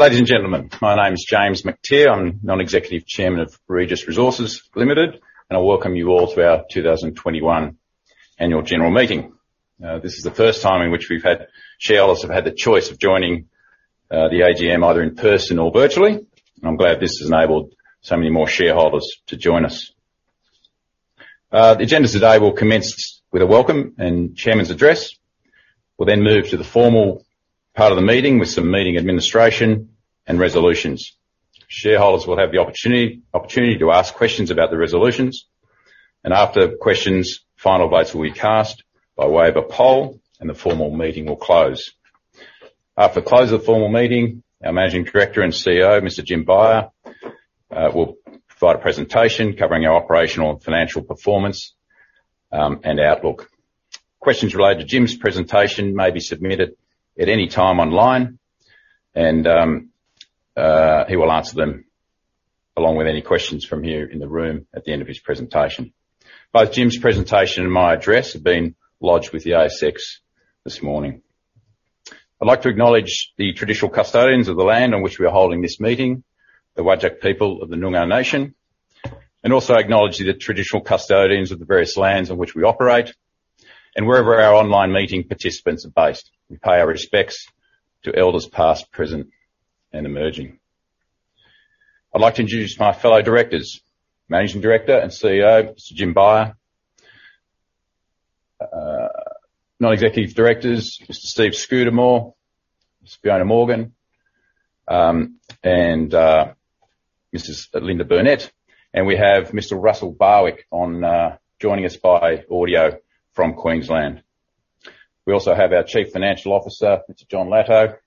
Ladies and gentlemen, my name is James Mactier. I'm Non-Executive Chairman of Regis Resources Limited, and I welcome you all to our 2021 annual general meeting. This is the first time in which shareholders have had the choice of joining the AGM either in person or virtually. I'm glad this has enabled so many more shareholders to join us. The agenda today will commence with a welcome and Chairman's address. We'll then move to the formal part of the meeting with some meeting administration and resolutions. Shareholders will have the opportunity to ask questions about the resolutions, and after questions, final votes will be cast by way of a poll and the formal meeting will close. After close of the formal meeting, our Managing Director and CEO, Mr. Jim Beyer will provide a presentation covering our operational and financial performance and outlook. Questions related to Jim's presentation may be submitted at any time online, and he will answer them along with any questions from you in the room at the end of his presentation. Both Jim's presentation and my address have been lodged with the ASX this morning. I'd like to acknowledge the traditional custodians of the land on which we are holding this meeting, the Whadjuk people of the Noongar Nation, and also acknowledge the traditional custodians of the various lands on which we operate and wherever our online meeting participants are based. We pay our respects to elders past, present, and emerging. I'd like to introduce my fellow directors. Managing Director and CEO, Mr. Jim Beyer. Non-Executive Directors, Mr. Steve Scudamore, Ms. Fiona Morgan, and Mrs. Lynda Burnett. We have Mr. Russell Barwick joining us by audio from Queensland. We also have our Chief Financial Officer, Mr. John Latour,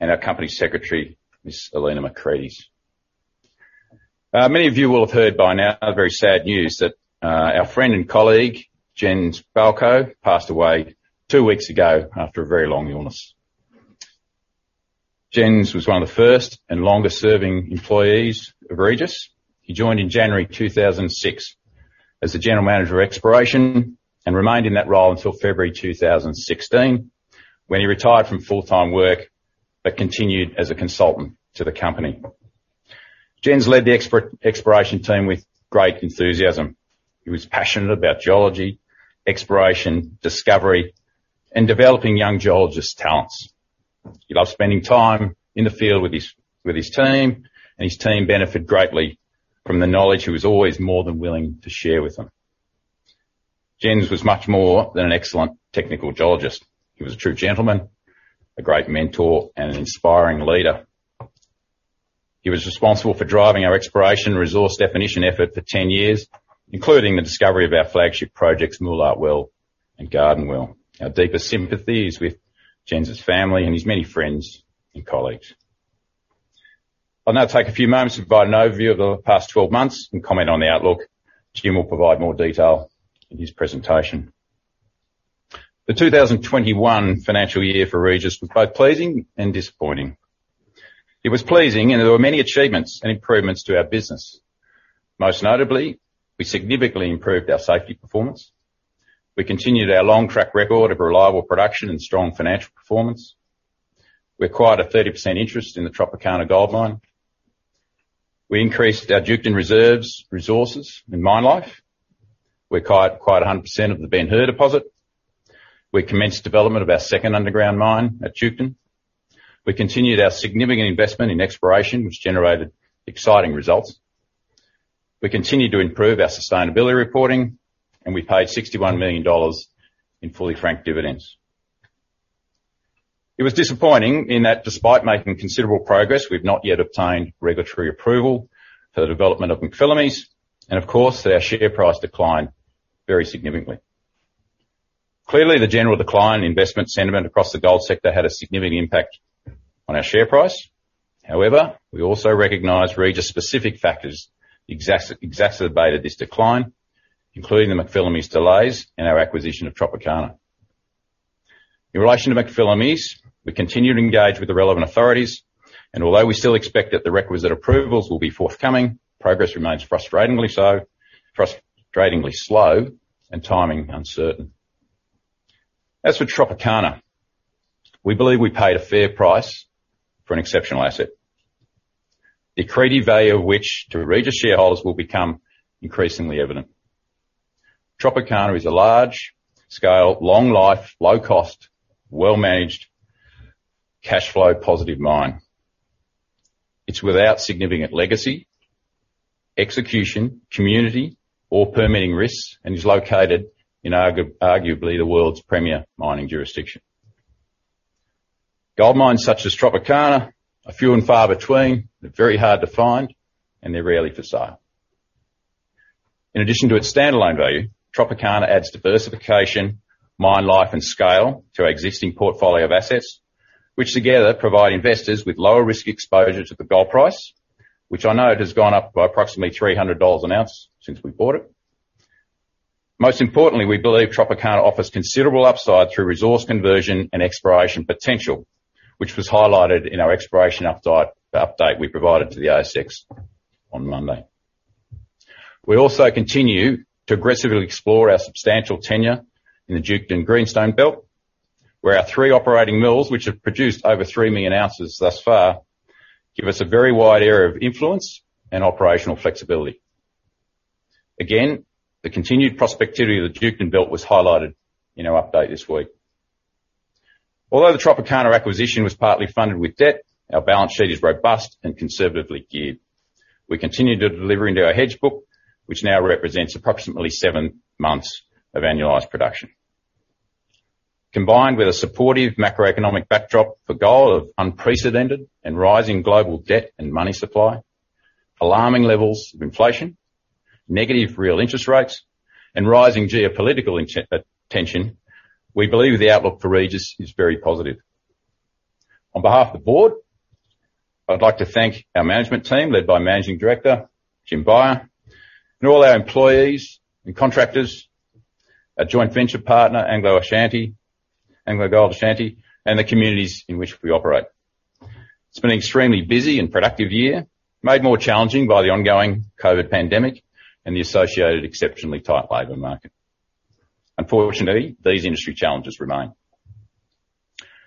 and our Company Secretary, Ms. Elena Macrides. Many of you will have heard by now a very sad news that our friend and colleague, Jens Balkau, passed away two weeks ago after a very long illness. Jens was one of the first and longest serving employees of Regis. He joined in January 2006 as the General Manager of Exploration and remained in that role until February 2016, when he retired from full-time work, but continued as a consultant to the company. Jens led the exploration team with great enthusiasm. He was passionate about geology, exploration, discovery, and developing young geologists' talents. He loved spending time in the field with his team, and his team benefited greatly from the knowledge he was always more than willing to share with them. Jens was much more than an excellent technical geologist. He was a true gentleman, a great mentor, and an inspiring leader. He was responsible for driving our exploration resource definition effort for 10 years, including the discovery of our flagship projects, Mulart Well and Garden Well. Our deepest sympathy is with Jens' family and his many friends and colleagues. I'll now take a few moments to provide an overview of the past 12 months and comment on the outlook. Jim will provide more detail in his presentation. The 2021 financial year for Regis was both pleasing and disappointing. It was pleasing, and there were many achievements and improvements to our business. Most notably, we significantly improved our safety performance. We continued our long track record of reliable production and strong financial performance. We acquired a 30% interest in the Tropicana Gold Mine. We increased our Duketon reserves, resources, and mine life. We acquired 100% of the Ben Hur deposit. We commenced development of our second underground mine at Duketon. We continued our significant investment in exploration, which generated exciting results. We continued to improve our sustainability reporting, and we paid 61 million dollars in fully franked dividends. It was disappointing in that despite making considerable progress, we've not yet obtained regulatory approval for the development of McPhillamys and, of course, that our share price declined very significantly. Clearly, the general decline in investment sentiment across the gold sector had a significant impact on our share price. However, we also recognize Regis-specific factors exacerbated this decline, including the McPhillamys delays and our acquisition of Tropicana. In relation to McPhillamys, we continue to engage with the relevant authorities, and although we still expect that the requisite approvals will be forthcoming, progress remains frustratingly slow and timing uncertain. As for Tropicana, we believe we paid a fair price for an exceptional asset, the accreted value of which to Regis shareholders will become increasingly evident. Tropicana is a large scale, long life, low cost, well-managed, cash flow positive mine. It's without significant legacy, execution, community, or permitting risks and is located in arguably the world's premier mining jurisdiction. Gold mines such as Tropicana are few and far between. They're very hard to find, and they're rarely for sale. In addition to its standalone value, Tropicana adds diversification, mine life, and scale to our existing portfolio of assets, which together provide investors with lower risk exposure to the gold price, which I know has gone up by approximately $300 an ounce since we bought it. Most importantly, we believe Tropicana offers considerable upside through resource conversion and exploration potential, which was highlighted in our exploration update we provided to the ASX on Monday. We also continue to aggressively explore our substantial tenure in the Duketon Greenstone Belt, where our three operating mills, which have produced over 3 million ounces thus far, give us a very wide area of influence and operational flexibility. Again, the continued prospectivity of the Duketon Belt was highlighted in our update this week. Although the Tropicana acquisition was partly funded with debt, our balance sheet is robust and conservatively geared. We continue to deliver into our hedge book, which now represents approximately seven months of annualized production. Combined with a supportive macroeconomic backdrop for gold of unprecedented and rising global debt and money supply, alarming levels of inflation, negative real interest rates, and rising geopolitical tension, we believe the outlook for Regis is very positive. On behalf of the board, I'd like to thank our management team, led by Managing Director Jim Beyer, and all our employees and contractors, our joint venture partner, AngloGold Ashanti, and the communities in which we operate. It's been an extremely busy and productive year, made more challenging by the ongoing COVID-19 pandemic and the associated exceptionally tight labor market. Unfortunately, these industry challenges remain.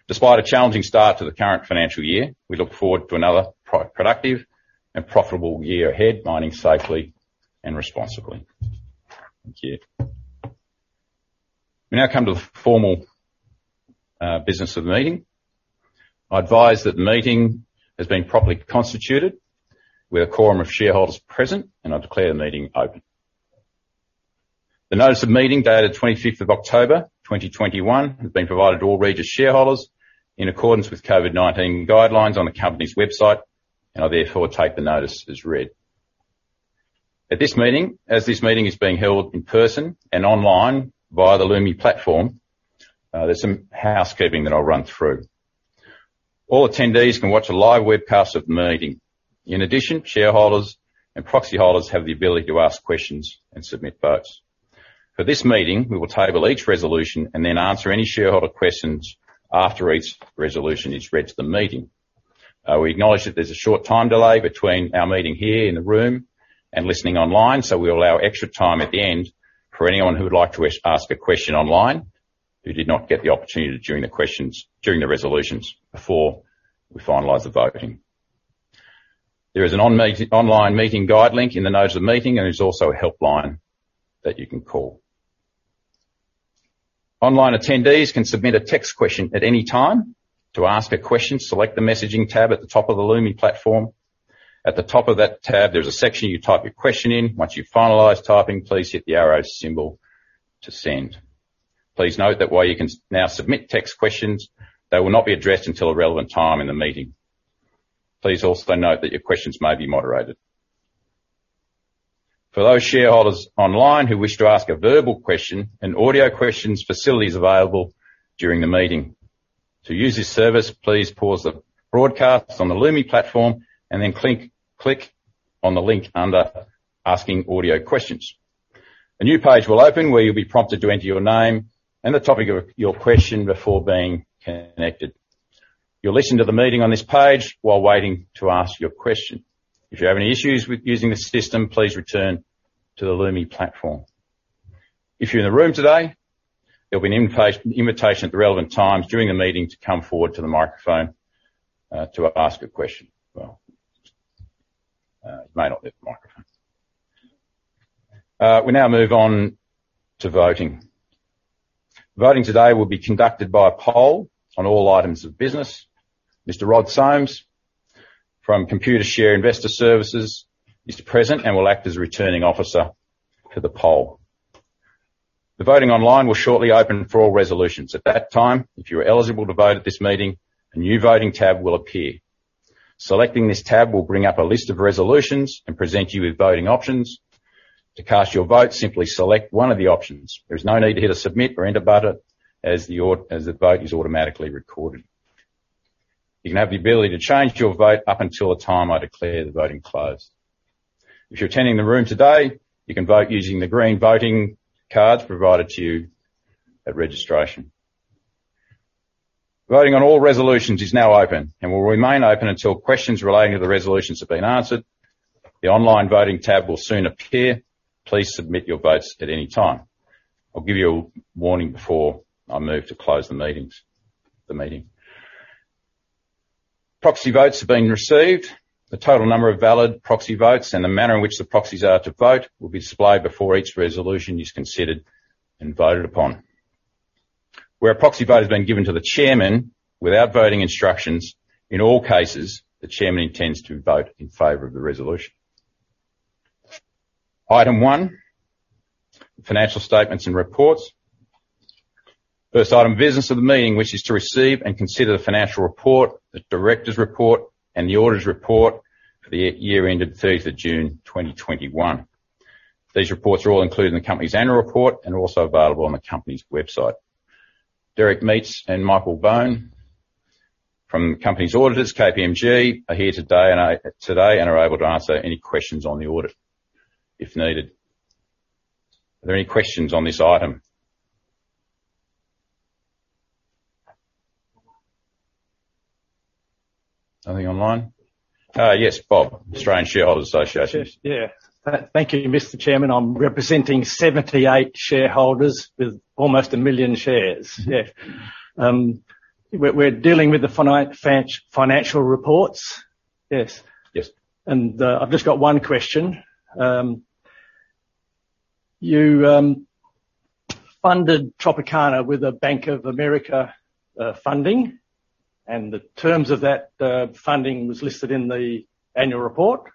Despite a challenging start to the current financial year, we look forward to another productive and profitable year ahead, mining safely and responsibly. Thank you. We now come to the formal business of the meeting. I advise that the meeting has been properly constituted, with a quorum of shareholders present, and I declare the meeting open. The notice of meeting, dated 25th of October, 2021, has been provided to all Regis shareholders in accordance with COVID-19 guidelines on the company's website, and I therefore take the notice as read. At this meeting, as this meeting is being held in person and online via the Lumi platform, there's some housekeeping that I'll run through. All attendees can watch a live webcast of the meeting. In addition, shareholders and proxy holders have the ability to ask questions and submit votes. For this meeting, we will table each resolution and then answer any shareholder questions after each resolution is read to the meeting. We acknowledge that there's a short time delay between our meeting here in the room and listening online, so we allow extra time at the end for anyone who would like to ask a question online who did not get the opportunity to during the resolutions before we finalize the voting. There is an online meeting guide link in the notice of meeting, and there's also a helpline that you can call. Online attendees can submit a text question at any time. To ask a question, select the Messaging tab at the top of the Lumi platform. At the top of that tab, there's a section you type your question in. Once you've finalized typing, please hit the arrow symbol to send. Please note that while you can now submit text questions, they will not be addressed until a relevant time in the meeting. Please also note that your questions may be moderated. For those shareholders online who wish to ask a verbal question, an audio questions facility is available during the meeting. To use this service, please pause the broadcast on the Lumi platform and then click on the link under Asking Audio Questions. A new page will open where you'll be prompted to enter your name and the topic of your question before being connected. You'll listen to the meeting on this page while waiting to ask your question. If you have any issues with using the system, please return to the Lumi platform. If you're in the room today, there'll be an invitation at the relevant times during the meeting to come forward to the microphone to ask a question. You may not need the microphone. We now move on to voting. Voting today will be conducted by poll on all items of business. Mr. Rod Soames from Computershare Investor Services is present and will act as Returning Officer for the poll. The voting online will shortly open for all resolutions. At that time, if you are eligible to vote at this meeting, a new Voting tab will appear. Selecting this tab will bring up a list of resolutions and present you with voting options. To cast your vote, simply select one of the options. There's no need to hit a Submit or Enter button as the vote is automatically recorded. You can have the ability to change your vote up until the time I declare the voting closed. If you're attending the room today, you can vote using the green voting cards provided to you at registration. Voting on all resolutions is now open and will remain open until questions relating to the resolutions have been answered. The online Voting tab will soon appear. Please submit your votes at any time. I'll give you a warning before I move to close the meeting. Proxy votes have been received. The total number of valid proxy votes and the manner in which the proxies are to vote will be displayed before each resolution is considered and voted upon. Where a proxy vote has been given to the Chairman without voting instructions, in all cases, the Chairman intends to vote in favor of the resolution. Item one, financial statements and reports. First item of business of the meeting, which is to receive and consider the financial report, the directors' report, and the auditors' report for the year ended 3rd of June 2021. These reports are all included in the company's annual report and also available on the company's website. Derek Meates and Michael Bone from the company's auditors, KPMG, are here today and are able to answer any questions on the audit if needed. Are there any questions on this item? Anything online? Yes. Bob, Australian Shareholders' Association. Yes. Thank you, Mr. Chairman. I'm representing 78 shareholders with almost 1 million shares. We're dealing with the financial reports? Yes. Yes. I've just got one question. You funded Tropicana with a Bank of America funding, and the terms of that funding was listed in the annual report.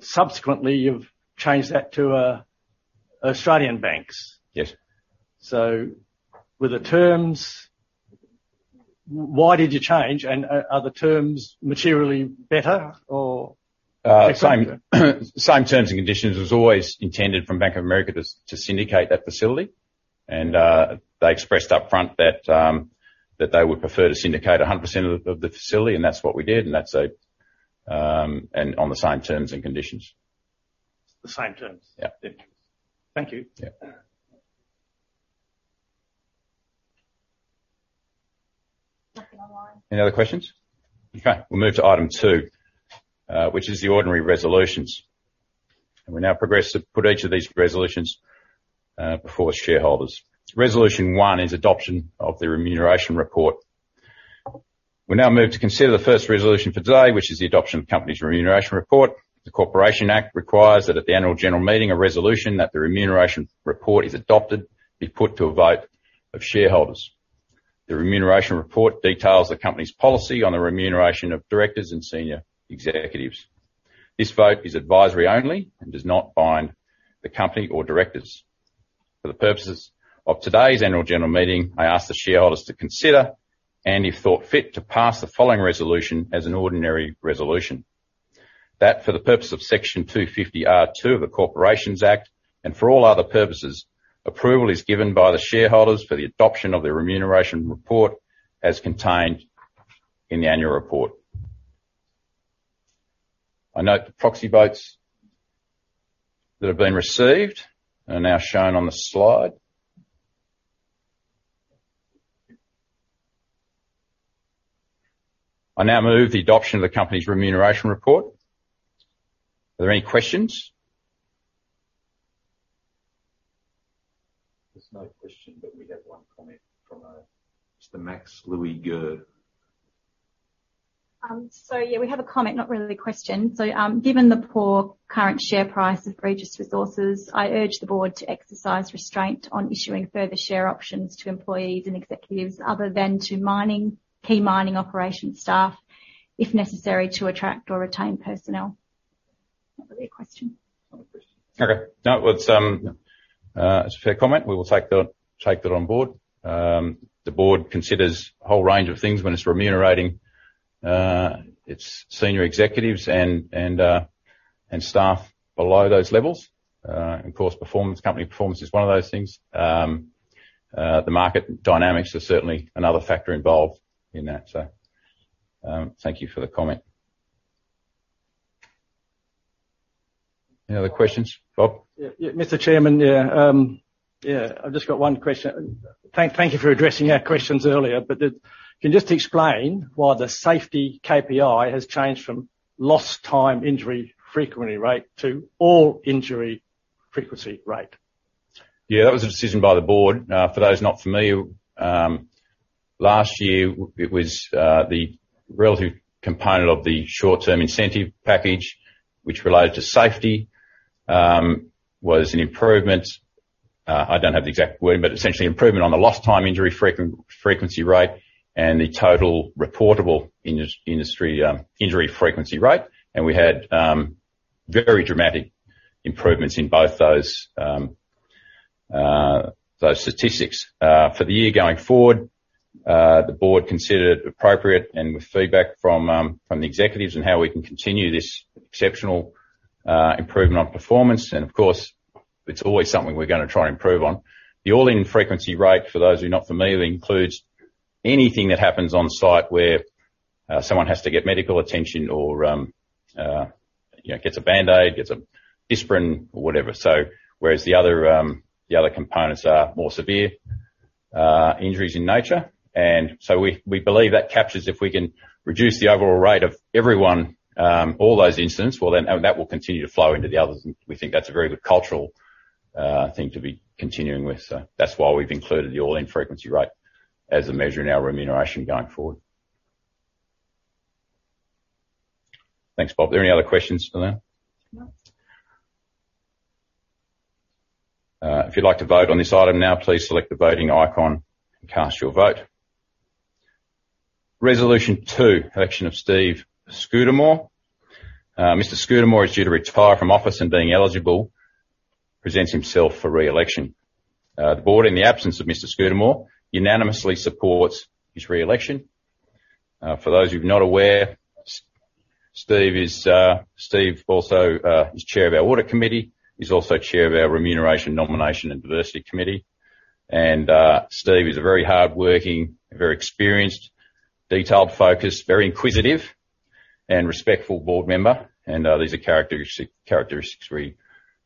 Subsequently, you've changed that to Australian banks. Yes. Why did you change, and are the terms materially better or? Same terms and conditions. It was always intended from Bank of America to syndicate that facility. They expressed upfront that they would prefer to syndicate 100% of the facility, and that's what we did. That's on the same terms and conditions. The same terms? Yeah. Thank you. Yeah. Nothing online. Any other questions? Okay, we'll move to item two, which is the ordinary resolutions. We now progress to put each of these resolutions before shareholders. Resolution one is adoption of the remuneration report. We now move to consider the first resolution for today, which is the adoption of company's remuneration report. The Corporations Act requires that at the annual general meeting, a resolution that the remuneration report is adopted be put to a vote of shareholders. The remuneration report details the company's policy on the remuneration of directors and senior executives. This vote is advisory only and does not bind the company or directors. For the purposes of today's annual general meeting, I ask the shareholders to consider, and if thought fit, to pass the following resolution as an ordinary resolution. That for the purpose of Section 250R(2) of the Corporations Act, and for all other purposes, approval is given by the shareholders for the adoption of the remuneration report as contained in the annual report. I note the proxy votes that have been received are now shown on the slide. I now move the adoption of the company's remuneration report. Are there any questions? There's no question, but we have one comment from Mr. Max Louis Gerd. We have a comment, not really a question. Given the poor current share price of Regis Resources, I urge the board to exercise restraint on issuing further share options to employees and executives other than to mining, key mining operation staff, if necessary, to attract or retain personnel. Not really a question. Not a question. Okay. No, it's a fair comment. We will take that on board. The board considers a whole range of things when it's remunerating its senior executives and staff below those levels. Of course, performance, company performance is one of those things. The market dynamics are certainly another factor involved in that. Thank you for the comment. Any other questions? Bob? Mr. Chairman? Yeah, I've just got one question. Thank you for addressing our questions earlier. Can you just explain why the safety KPI has changed from lost time injury frequency rate to all injury frequency rate? Yeah, that was a decision by the board. For those not familiar, last year it was the relative component of the short-term incentive package which related to safety was an improvement. I don't have the exact wording, but essentially improvement on the lost time injury frequency rate and the total reportable industry injury frequency rate. We had very dramatic improvements in both those statistics. For the year going forward, the board considered it appropriate and with feedback from the executives on how we can continue this exceptional improvement on performance. Of course, it's always something we're going to try and improve on. The all-in frequency rate, for those who are not familiar, includes anything that happens on site where someone has to get medical attention or, you know, gets a Band-Aid, gets a aspirin or whatever. Whereas the other components are more severe injuries in nature. We believe that captures if we can reduce the overall rate of everyone, all those incidents, well then and that will continue to flow into the others, and we think that's a very good cultural thing to be continuing with. That's why we've included the all-in frequency rate as a measure in our remuneration going forward. Thanks, Bob. Are there any other questions online? No. If you'd like to vote on this item now, please select the voting icon and cast your vote. Resolution two, election of Steve Scudamore. Mr. Scudamore is due to retire from office and being eligible, presents himself for re-election. The board, in the absence of Mr. Scudamore, unanimously supports his re-election. For those who are not aware, Steve is also chair of our audit committee. He's also chair of our Remuneration, Nomination and Diversity Committee. Steve is a very hardworking, a very experienced, detail-focused, very inquisitive and respectful board member. These are characteristics we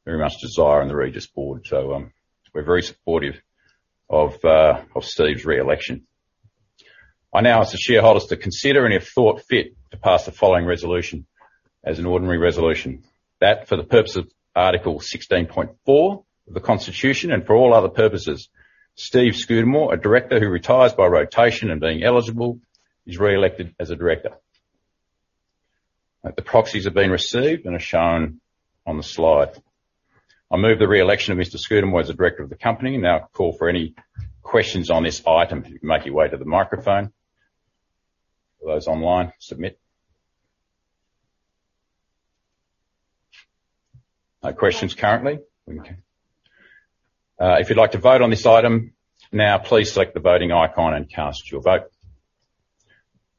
very much desire in the Regis board. We're very supportive of Steve's re-election. I now ask the shareholders to consider, and if thought fit, to pass the following resolution as an ordinary resolution. That for the purpose of Article 16.4 of the Constitution, and for all other purposes, Steve Scudamore, a director who retires by rotation and being eligible, is re-elected as a director. The proxies have been received and are shown on the slide. I move the re-election of Mr. Scudamore as a director of the company. I now call for any questions on this item. If you can make your way to the microphone. For those online, submit. No questions currently. If you'd like to vote on this item now, please select the voting icon and cast your vote.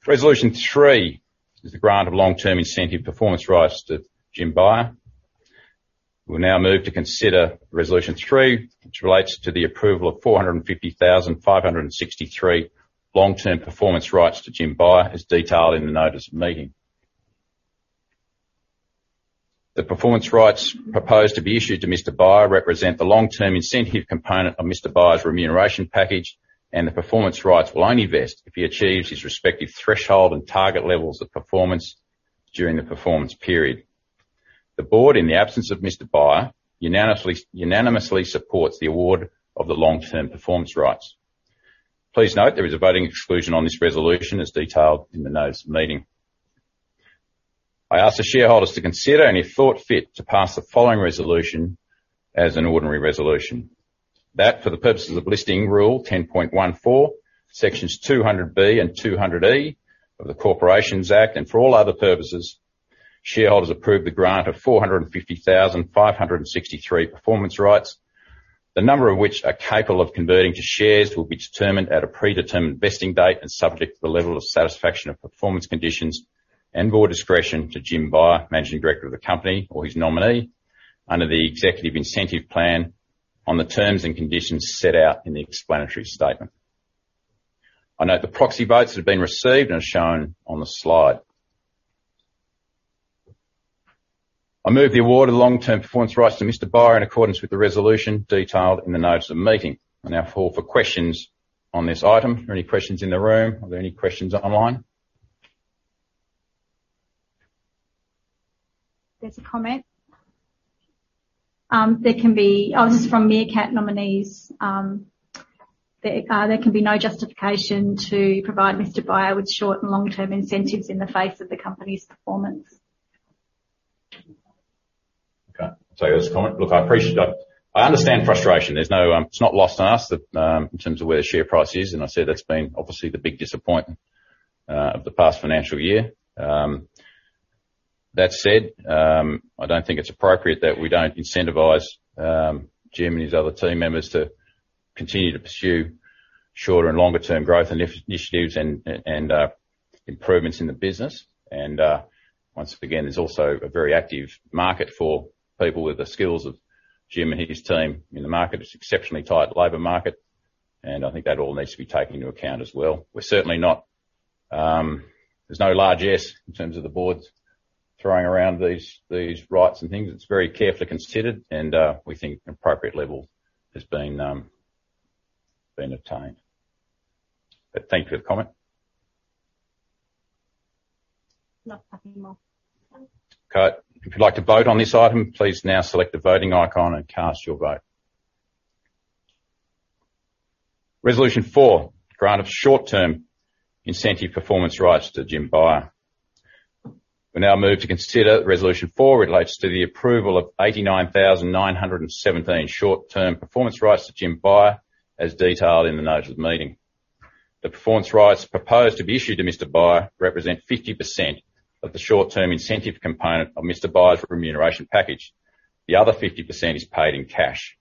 Resolution three is the grant of long-term incentive performance rights to Jim Beyer. We now move to consider resolution three, which relates to the approval of 450,563 long-term performance rights to Jim Beyer, as detailed in the notice of meeting. The performance rights proposed to be issued to Mr. Beyer represent the long-term incentive component of Mr. Beyer's remuneration package, and the performance rights will only vest if he achieves his respective threshold and target levels of performance during the performance period. The board, in the absence of Mr. Beyer, unanimously supports the award of the long-term performance rights. Please note there is a voting exclusion on this resolution, as detailed in the notice of meeting. I ask the shareholders to consider, and if thought fit, to pass the following resolution as an ordinary resolution. That for the purposes of Listing Rule 10.14, sections 200B and 200E of the Corporations Act, and for all other purposes, shareholders approve the grant of 450,563 performance rights, the number of which are capable of converting to shares will be determined at a predetermined vesting date and subject to the level of satisfaction of performance conditions and board discretion to Jim Beyer, Managing Director of the company, or his nominee under the Executive Incentive Plan on the terms and conditions set out in the explanatory statement. I note the proxy votes have been received and are shown on the slide. I move the award of long-term performance rights to Mr. Beyer in accordance with the resolution detailed in the notice of meeting. I now call for questions on this item. Are there any questions in the room? Are there any questions online? There's a comment. Oh, this is from Meerkat Nominees. There can be no justification to provide Mr. Beyer with short and long-term incentives in the face of the company's performance. Okay. This comment. Look, I appreciate that. I understand frustration. It's not lost on us that, in terms of where the share price is, and I said that's been obviously the big disappointment of the past financial year. That said, I don't think it's appropriate that we don't incentivize Jim and his other team members to continue to pursue shorter and longer term growth initiatives and improvements in the business. Once again, there's also a very active market for people with the skills of Jim and his team in the market. It's exceptionally tight labor market, and I think that all needs to be taken into account as well. We're certainly not. There's no largesse in terms of the boards throwing around these rights and things. It's very carefully considered and, we think an appropriate level has been obtained. But thank you for the comment. Not anymore. Okay. If you'd like to vote on this item, please now select the voting icon and cast your vote. Resolution four, grant of short-term incentive performance rights to Jim Beyer. We now move to consider resolution four relates to the approval of 89,917 short-term performance rights to Jim Beyer, as detailed in the notice of the meeting. The performance rights proposed to be issued to Mr. Beyer represent 50% of the short-term incentive component of Mr. Beyer's remuneration package. The other 50% is paid in cash.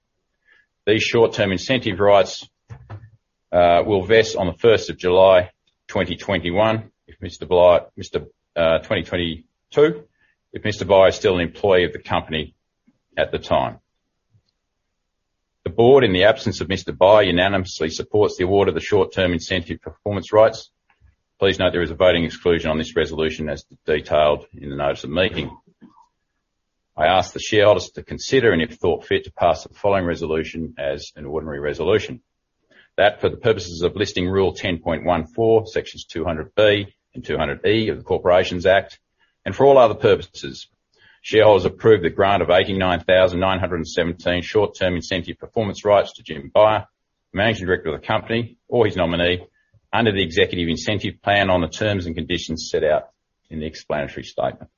These short-term incentive rights will vest on July 1, 2022, if Mr. Beyer is still an employee of the company at the time. The board, in the absence of Mr. Beyer, unanimously supports the award of the short-term incentive performance rights. Please note there is a voting exclusion on this resolution, as detailed in the notice of meeting. I ask the shareholders to consider, and if thought fit, to pass the following resolution as an ordinary resolution. That for the purposes of Listing Rule 10.14, sections 200B and 200E of the Corporations Act, and for all other purposes, shareholders approve the grant of 89,917 short-term incentive performance rights to Jim Beyer, Managing Director of the company, or his nominee, under the Executive Incentive Plan on the terms and conditions set out in the explanatory statement.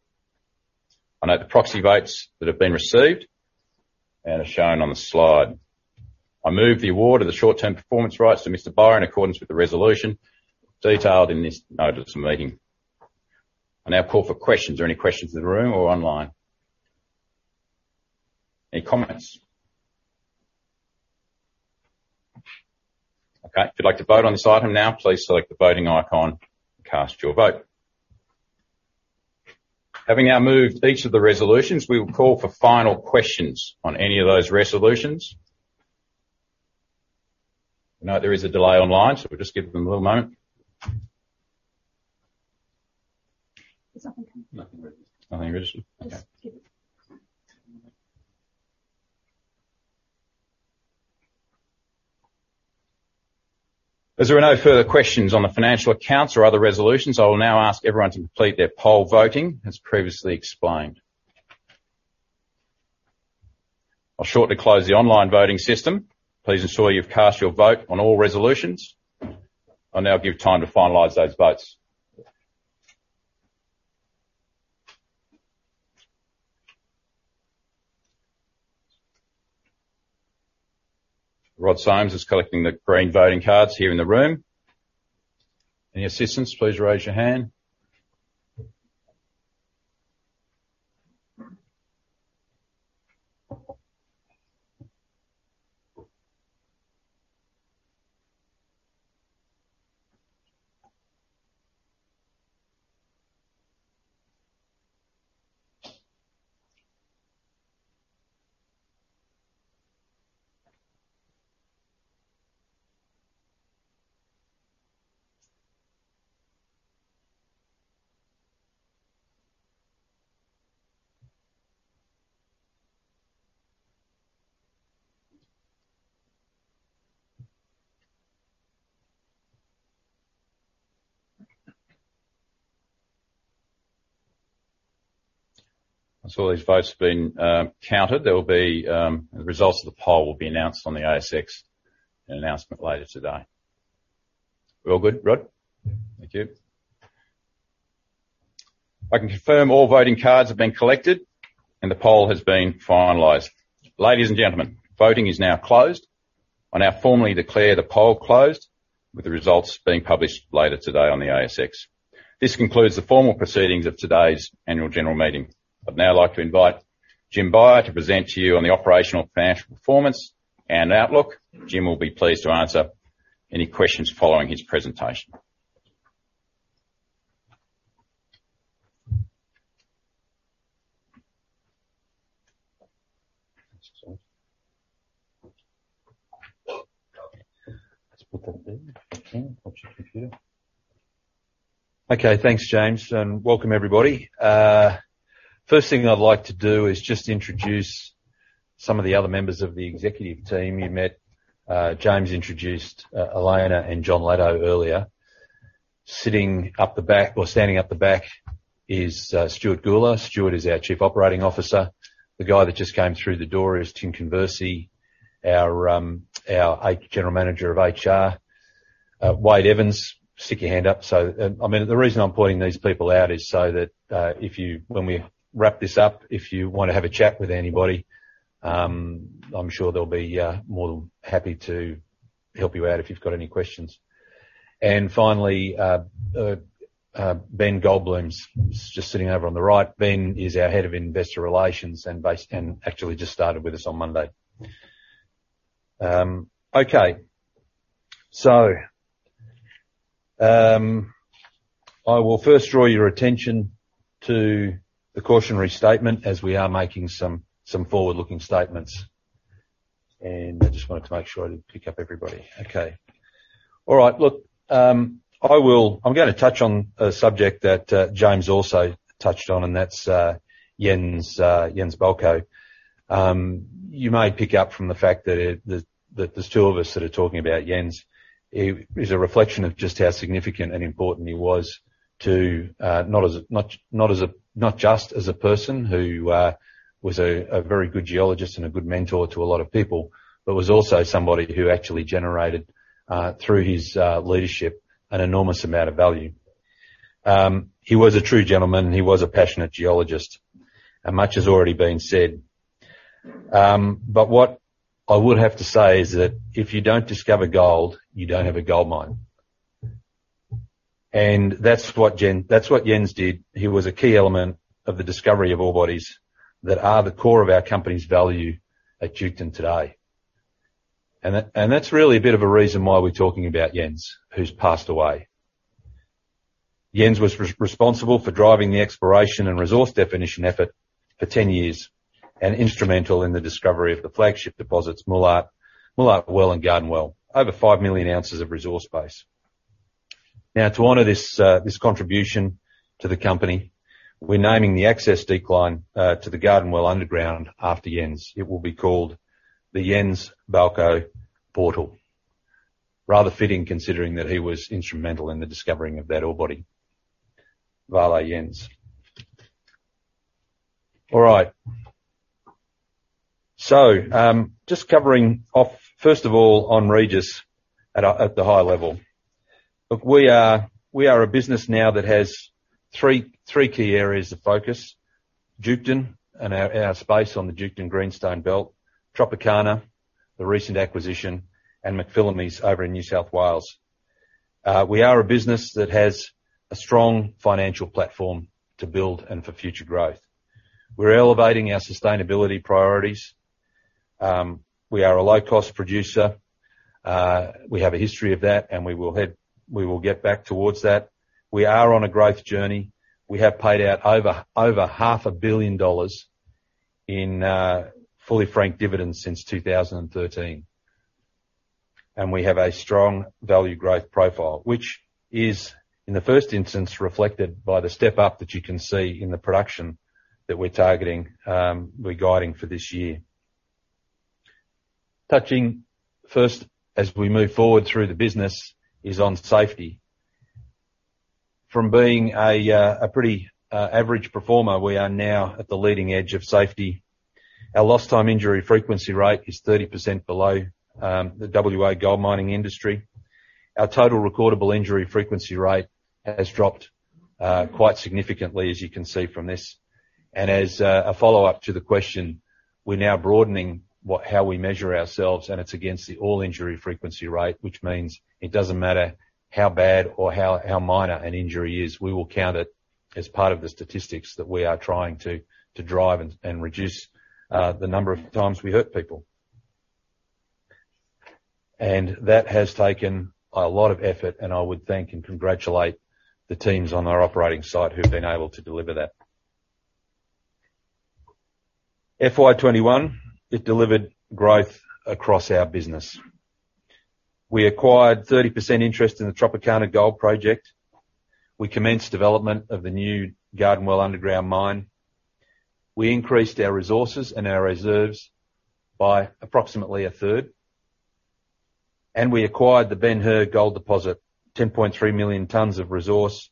I note the proxy votes that have been received and are shown on the slide. I move the award of the short-term performance rights to Mr. Beyer in accordance with the resolution detailed in this notice of meeting. I now call for questions or any questions in the room or online. Any comments? Okay. If you'd like to vote on this item now, please select the voting icon and cast your vote. Having now moved each of the resolutions, we will call for final questions on any of those resolutions. No, there is a delay online, so we'll just give them a little moment. There's nothing coming. Nothing registered. Nothing registered? Okay. Let's give it. As there are no further questions on the financial accounts or other resolutions, I will now ask everyone to complete their poll voting as previously explained. I'll shortly close the online voting system. Please ensure you've cast your vote on all resolutions. I'll now give time to finalize those votes. Rod Soames is collecting the green voting cards here in the room. Any assistance, please raise your hand. Once all these votes have been counted, there will be the results of the poll will be announced on the ASX in an announcement later today. We all good, Rod? Thank you. I can confirm all voting cards have been collected and the poll has been finalized. Ladies and gentlemen, voting is now closed. I now formally declare the poll closed, with the results being published later today on the ASX. This concludes the formal proceedings of today's annual general meeting. I'd now like to invite Jim Beyer to present to you on the operational and financial performance and outlook. Jim will be pleased to answer any questions following his presentation. Just put that there. Okay. Watch your computer. Okay. Thanks, James, and welcome everybody. First thing I'd like to do is just introduce some of the other members of the executive team. You met James introduced Elena and John Lado earlier. Sitting up the back, or standing up the back is Stuart Gula. Stuart is our Chief Operating Officer. The guy that just came through the door is Tim Conversi, our general manager of HR. Wade Evans, stick your hand up. I mean, the reason I'm pointing these people out is so that when we wrap this up, if you want to have a chat with anybody, I'm sure they'll be more than happy to help you out if you've got any questions. Finally, Ben Goldbloom's just sitting over on the right. Ben is our head of investor relations and actually just started with us on Monday. Okay. I will first draw your attention to the cautionary statement as we are making some forward-looking statements. I just wanted to make sure I did pick up everybody. Okay. All right. Look, I'm going to touch on a subject that James also touched on, and that's Jens Balkau. You may pick up from the fact that there's two of us that are talking about Jens. It is a reflection of just how significant and important he was to not just as a person who was a very good geologist and a good mentor to a lot of people, but was also somebody who actually generated through his leadership an enormous amount of value. He was a true gentleman and he was a passionate geologist, and much has already been said. What I would have to say is that if you don't discover gold, you don't have a gold mine. That's what Jens did. He was a key element of the discovery of all bodies that are the core of our company's value at Duketon today. That's really a bit of a reason why we're talking about Jens, who's passed away. Jens was responsible for driving the exploration and resource definition effort for 10 years, and instrumental in the discovery of the flagship deposits, Moolart Well and Garden Well, over 5 million ounces of resource base. Now, to honor this contribution to the company, we're naming the access decline to the Garden Well Underground after Jens. It will be called the Jens Balkau Portal. Rather fitting, considering that he was instrumental in the discovering of that ore body. Voilà, Jens. All right. Just covering off, first of all, on Regis at the high level. Look, we are a business now that has three key areas of focus. Duketon and our space on the Duketon Greenstone Belt, Tropicana, the recent acquisition, and McPhillamys over in New South Wales. We are a business that has a strong financial platform to build and for future growth. We're elevating our sustainability priorities. We are a low-cost producer. We have a history of that, and we will get back towards that. We are on a growth journey. We have paid out over half a billion AUD in fully franked dividends since 2013. We have a strong value growth profile, which is, in the first instance, reflected by the step up that you can see in the production that we're targeting, we're guiding for this year. Touching first as we move forward through the business is on safety. From being a pretty average performer, we are now at the leading edge of safety. Our lost time injury frequency rate is 30% below the WA gold mining industry. Our total recordable injury frequency rate has dropped quite significantly, as you can see from this. As a follow-up to the question, we're now broadening how we measure ourselves, and it's against the all-injury frequency rate, which means it doesn't matter how bad or how minor an injury is, we will count it as part of the statistics that we are trying to drive and reduce the number of times we hurt people. That has taken a lot of effort, and I would thank and congratulate the teams on our operating site who've been able to deliver that. FY 2021, it delivered growth across our business. We acquired 30% interest in the Tropicana Gold Project. We commenced development of the new Garden Well underground mine. We increased our resources and our reserves by approximately a third, and we acquired the Ben Hur gold deposit, 10.3 million tons of resource,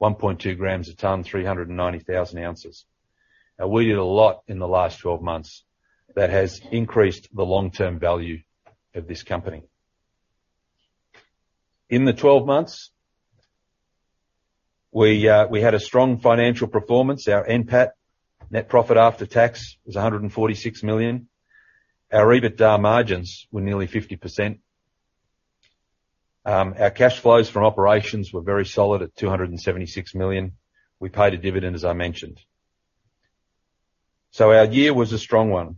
1.2 g a ton, 390,000 ounces. Now, we did a lot in the last 12 months that has increased the long-term value of this company. In the 12 months, we had a strong financial performance. Our NPAT, net profit after tax, was 146 million. Our EBITDA margins were nearly 50%. Our cash flows from operations were very solid at 276 million. We paid a dividend, as I mentioned. Our year was a strong one.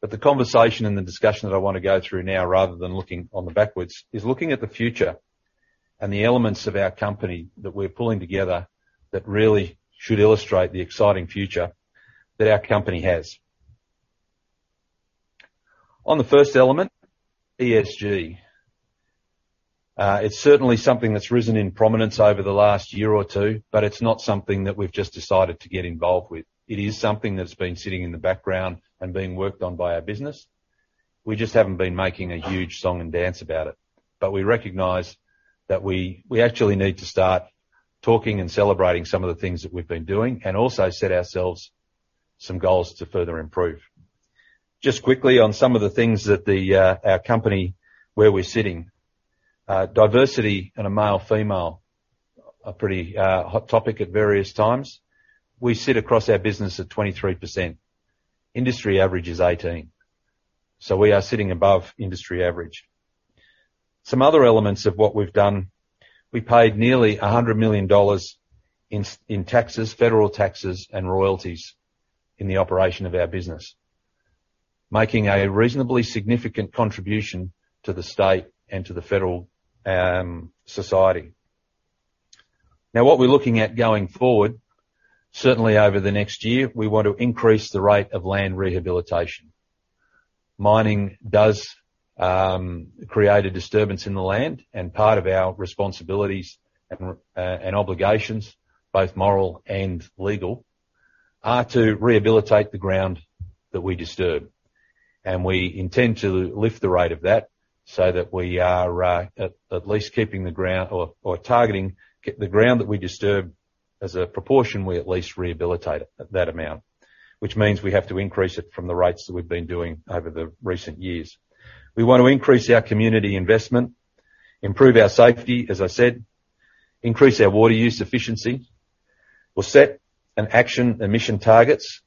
The conversation and the discussion that I want to go through now, rather than looking backwards, is looking at the future and the elements of our company that we're pulling together that really should illustrate the exciting future that our company has. On the first element, ESG. It's certainly something that's risen in prominence over the last year or two, but it's not something that we've just decided to get involved with. It is something that's been sitting in the background and being worked on by our business. We just haven't been making a huge song and dance about it. We recognize that we actually need to start talking and celebrating some of the things that we've been doing and also set ourselves some goals to further improve. Just quickly on some of the things that our company, where we're sitting. Diversity in a male/female, a pretty hot topic at various times. We sit across our business at 23%. Industry average is 18%, so we are sitting above industry average. Some other elements of what we've done, we paid nearly 100 million dollars in taxes, federal taxes and royalties in the operation of our business, making a reasonably significant contribution to the state and to the federal society. Now, what we're looking at going forward, certainly over the next year, we want to increase the rate of land rehabilitation. Mining does create a disturbance in the land, and part of our responsibilities and obligations, both moral and legal, are to rehabilitate the ground that we disturb. We intend to lift the rate of that so that we are at least keeping the ground or targeting the ground that we disturb as a proportion. We at least rehabilitate it at that amount, which means we have to increase it from the rates that we've been doing over the recent years. We want to increase our community investment, improve our safety, as I said, increase our water use efficiency. We'll set emission targets.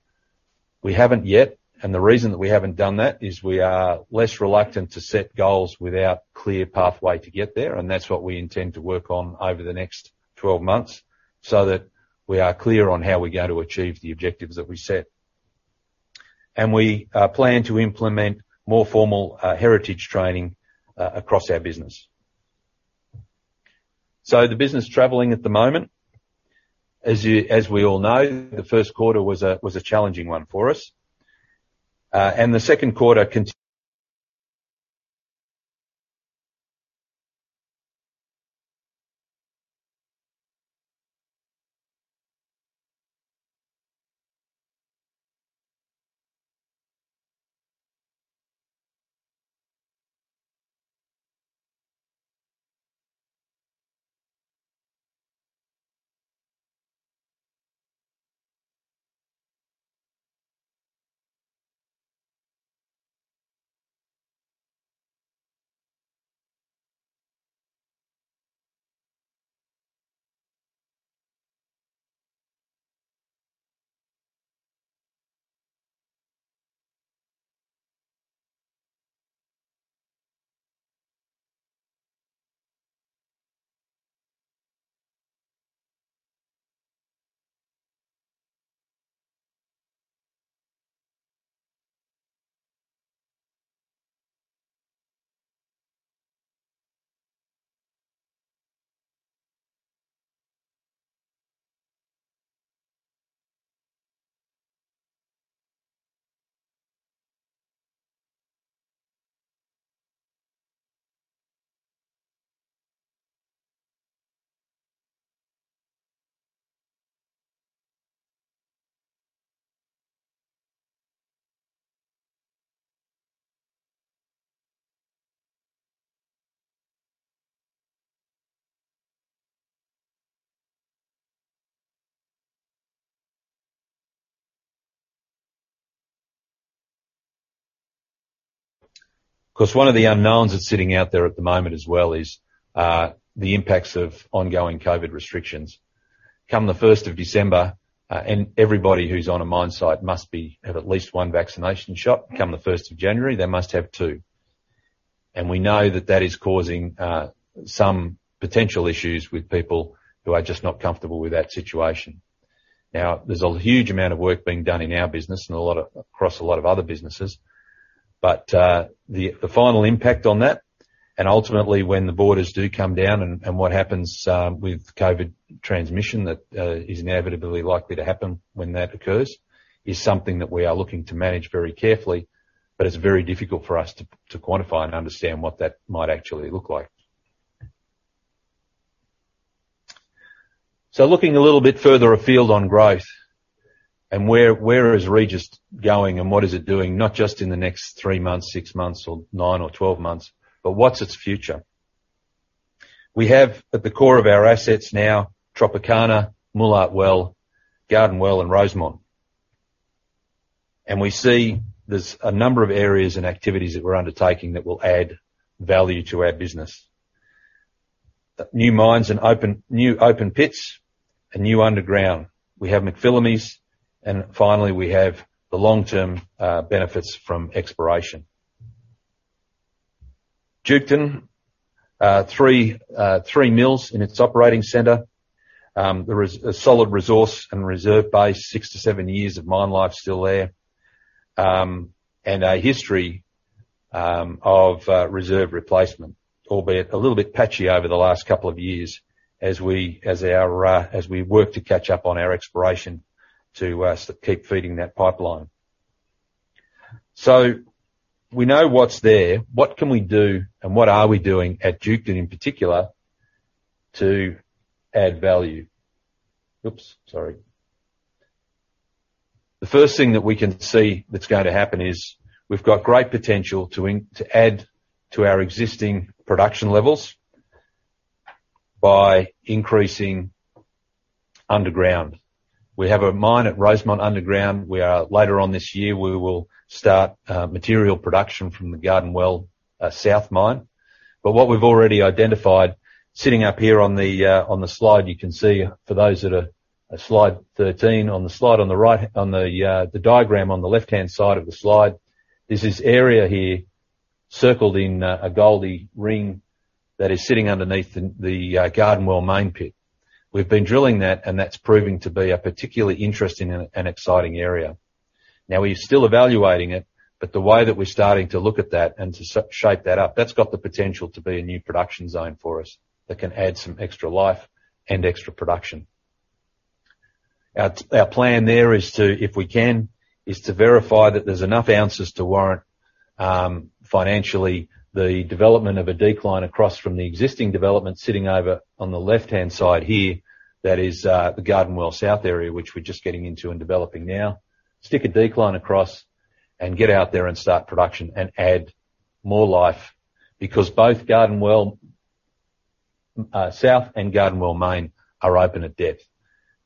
We haven't yet, and the reason that we haven't done that is we are reluctant to set goals without clear pathway to get there, and that's what we intend to work on over the next 12 months, so that we are clear on how we're going to achieve the objectives that we set. We plan to implement more formal heritage training across our business. The business is traveling at the moment. As we all know, the first quarter was a challenging one for us. Of course, one of the unknowns that's sitting out there at the moment as well is the impacts of ongoing COVID restrictions. Come the first of December, and everybody who's on a mine site must have at least one vaccination shot. Come the first of January, they must have two. We know that is causing some potential issues with people who are just not comfortable with that situation. Now, there's a huge amount of work being done in our business and across a lot of other businesses. The final impact on that, and ultimately when the borders do come down and what happens with COVID transmission that is inevitably likely to happen when that occurs, is something that we are looking to manage very carefully. It's very difficult for us to quantify and understand what that might actually look like. Looking a little bit further afield on growth and where is Regis going and what is it doing, not just in the next three months, six months or nine or 12 months, but what's its future? We have, at the core of our assets now, Tropicana, Moolart Well, Garden Well, and Rosemont. We see there's a number of areas and activities that we're undertaking that will add value to our business. New mines and new open pits and new underground. We have McPhillamys, and finally, we have the long-term benefits from exploration. Duketon, three mills in its operating center. There is a solid resource and reserve base, six to seven years of mine life still there. A history of reserve replacement, albeit a little bit patchy over the last couple of years as we work to catch up on our exploration to keep feeding that pipeline. We know what's there. What can we do and what are we doing at Duketon, in particular, to add value? Oops, sorry. The first thing that we can see that's going to happen is we've got great potential to add to our existing production levels by increasing underground. We have a mine at Rosemont underground, where later on this year, we will start material production from the Garden Well South mine. What we've already identified, sitting up here on the slide, you can see for those that are at slide 13. On the slide on the right, the diagram on the left-hand side of the slide, there's this area here circled in a golden ring that is sitting underneath the Garden Well main pit. We've been drilling that, and that's proving to be a particularly interesting and exciting area. Now, we're still evaluating it, but the way that we're starting to look at that and to shape that up, that's got the potential to be a new production zone for us that can add some extra life and extra production. Our plan there is to, if we can, verify that there's enough ounces to warrant financially the development of a decline across from the existing development sitting over on the left-hand side here. That is the Garden Well South area, which we're just getting into and developing now. Stick a decline across and get out there and start production and add more life because both Garden Well South and Garden Well Main are open at depth.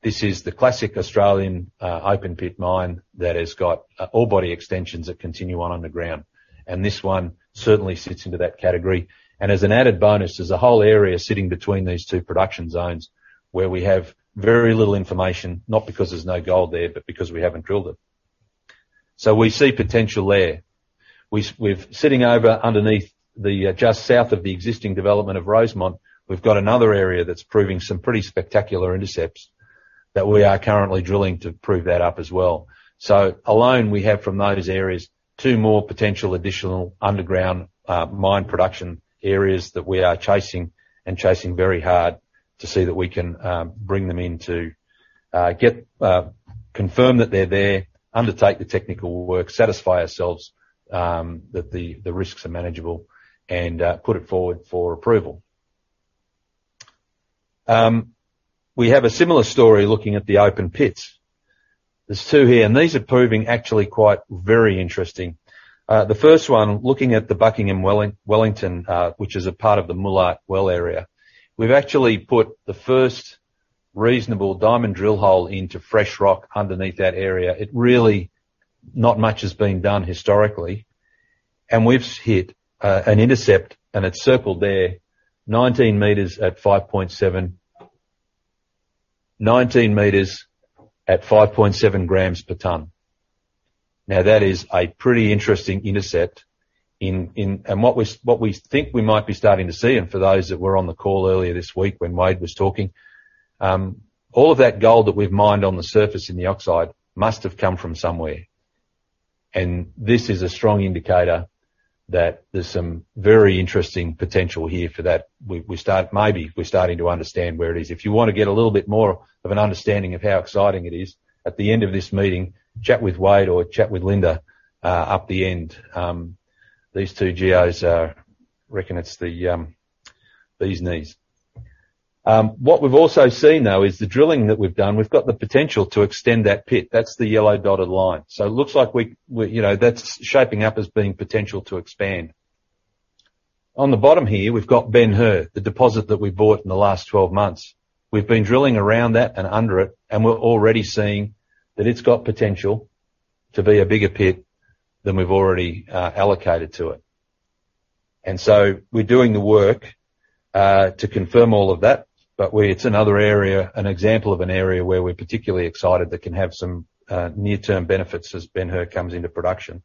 This is the classic Australian open pit mine that has got ore body extensions that continue on underground, and this one certainly sits into that category. As an added bonus, there's a whole area sitting between these two production zones where we have very little information, not because there's no gold there, but because we haven't drilled it. We see potential there. Sitting over underneath the just south of the existing development of Rosemont, we've got another area that's proving some pretty spectacular intercepts that we are currently drilling to prove that up as well. Alone, we have from those areas two more potential additional underground mine production areas that we are chasing very hard to see that we can bring them in to get confirm that they're there, undertake the technical work, satisfy ourselves that the risks are manageable and put it forward for approval. We have a similar story looking at the open pits. There's two here, and these are proving actually quite very interesting. The first one, looking at the Buckingham-Wellington, which is a part of the Moolart Well area. We've actually put the first reasonable diamond drill hole into fresh rock underneath that area. Not much has been done historically. We've hit an intercept, and it's circled there, 19 m at 5.7 g per ton. Now, that is a pretty interesting intercept. What we think we might be starting to see, and for those that were on the call earlier this week when Wade was talking, all of that gold that we've mined on the surface in the oxide must have come from somewhere. This is a strong indicator that there's some very interesting potential here for that. Maybe we're starting to understand where it is. If you wanb to get a little bit more of an understanding of how exciting it is, at the end of this meeting, chat with Wade or chat with Lynda Burnett up the end. These two GOs reckon it's the bee's knees. What we've also seen, though, is the drilling that we've done. We've got the potential to extend that pit. That's the yellow dotted line. So it looks like we, you know, that's shaping up as being potential to expand. On the bottom here, we've got Ben Hur, the deposit that we bought in the last 12 months. We've been drilling around that and under it, and we're already seeing that it's got potential to be a bigger pit than we've already allocated to it. We're doing the work to confirm all of that. It's another area, an example of an area where we're particularly excited that can have some near-term benefits as Benhur comes into production.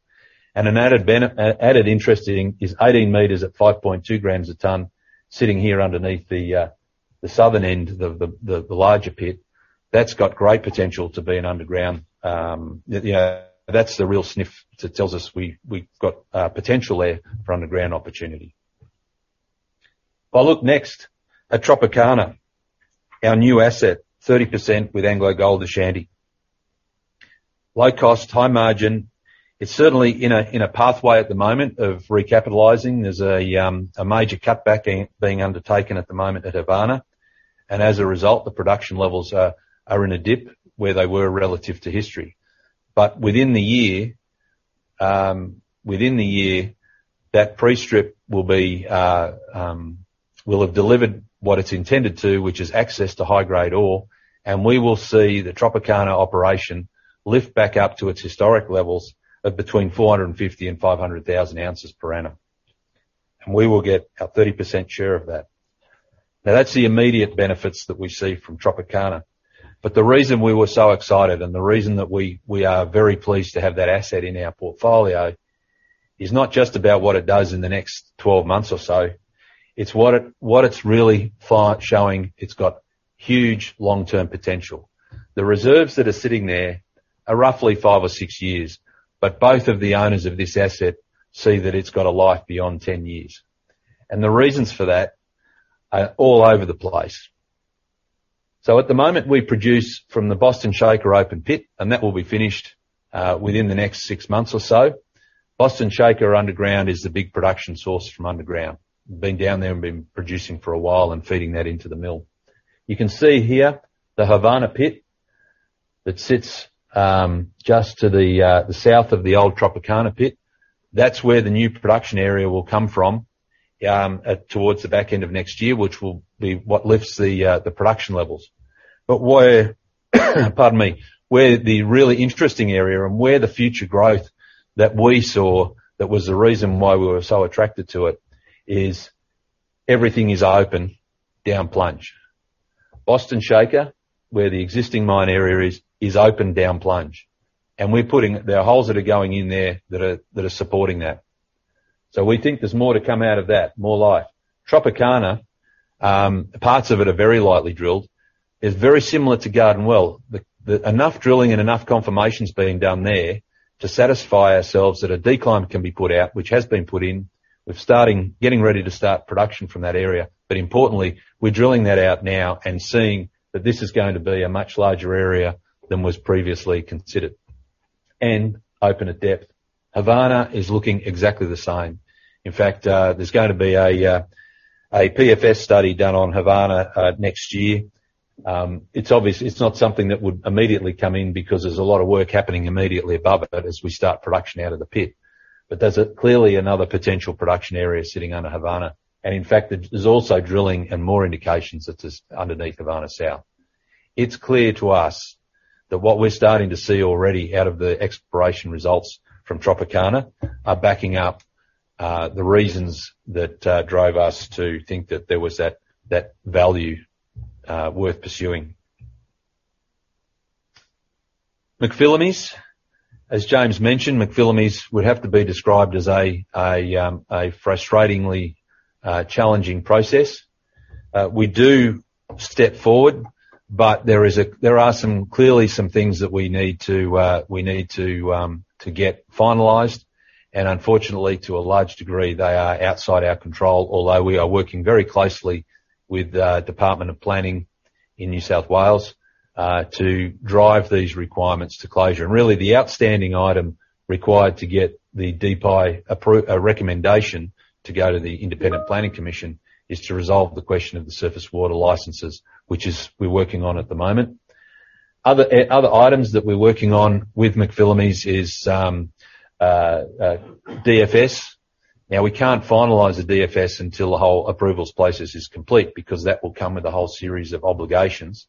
An added interest in is 18 m at 5.2 g a ton sitting here underneath the southern end of the larger pit. That's got great potential to be an underground. That's the real sniff that tells us we've got potential there for underground opportunity. If I look next at Tropicana, our new asset, 30% with AngloGold Ashanti. Low cost, high margin. It's certainly in a pathway at the moment of recapitalizing. There's a major cutback being undertaken at the moment at Havana. As a result, the production levels are in a dip where they were relative to history. Within the year, that pre-strip will have delivered what it's intended to, which is access to high-grade ore. We will see the Tropicana operation lift back up to its historic levels of between 450-500,000 ounces per annum. We will get our 30% share of that. Now, that's the immediate benefits that we see from Tropicana. The reason we were so excited and the reason that we are very pleased to have that asset in our portfolio is not just about what it does in the next 12 months or so, it's what it's really showing it's got huge long-term potential. The reserves that are sitting there are roughly five or six years, but both of the owners of this asset see that it's got a life beyond ten years. The reasons for that are all over the place. At the moment, we produce from the Boston Shaker open pit, and that will be finished within the next six months or so. Boston Shaker underground is the big production source from underground. Been down there and been producing for a while and feeding that into the mill. You can see here the Havana pit that sits just to the south of the old Tropicana pit. That's where the new production area will come from towards the back end of next year, which will be what lifts the production levels. Where, pardon me. Where the really interesting area and where the future growth that we saw that was the reason why we were so attracted to it is everything is open down plunge. Boston Shaker, where the existing mine area is open down plunge. There are holes that are going in there that are supporting that. We think there's more to come out of that, more life. Tropicana, parts of it are very lightly drilled. It's very similar to Garden Well. Enough drilling and enough confirmation is being done there to satisfy ourselves that a decline can be put out, which has been put in. We're getting ready to start production from that area. Importantly, we're drilling that out now and seeing that this is going to be a much larger area than was previously considered and open at depth. Havana is looking exactly the same. In fact, there's going to be a PFS study done on Havana next year. It's obvious it's not something that would immediately come in because there's a lot of work happening immediately above it as we start production out of the pit. There's clearly another potential production area sitting under Havana. In fact, there's also drilling and more indications that is underneath Havana South. It's clear to us that what we're starting to see already out of the exploration results from Tropicana are backing up the reasons that drove us to think that there was that value worth pursuing. McPhillamys. As James mentioned, McPhillamys would have to be described as a frustratingly challenging process. We do step forward, but there are some clearly some things that we need to get finalized. Unfortunately, to a large degree, they are outside our control. Although we are working very closely with the Department of Planning in New South Wales to drive these requirements to closure. Really, the outstanding item required to get the DPI recommendation to go to the Independent Planning Commission is to resolve the question of the surface water licenses, which we're working on at the moment. Other items that we're working on with McPhillamys is DFS. We can't finalize the DFS until the whole approvals process is complete because that will come with a whole series of obligations,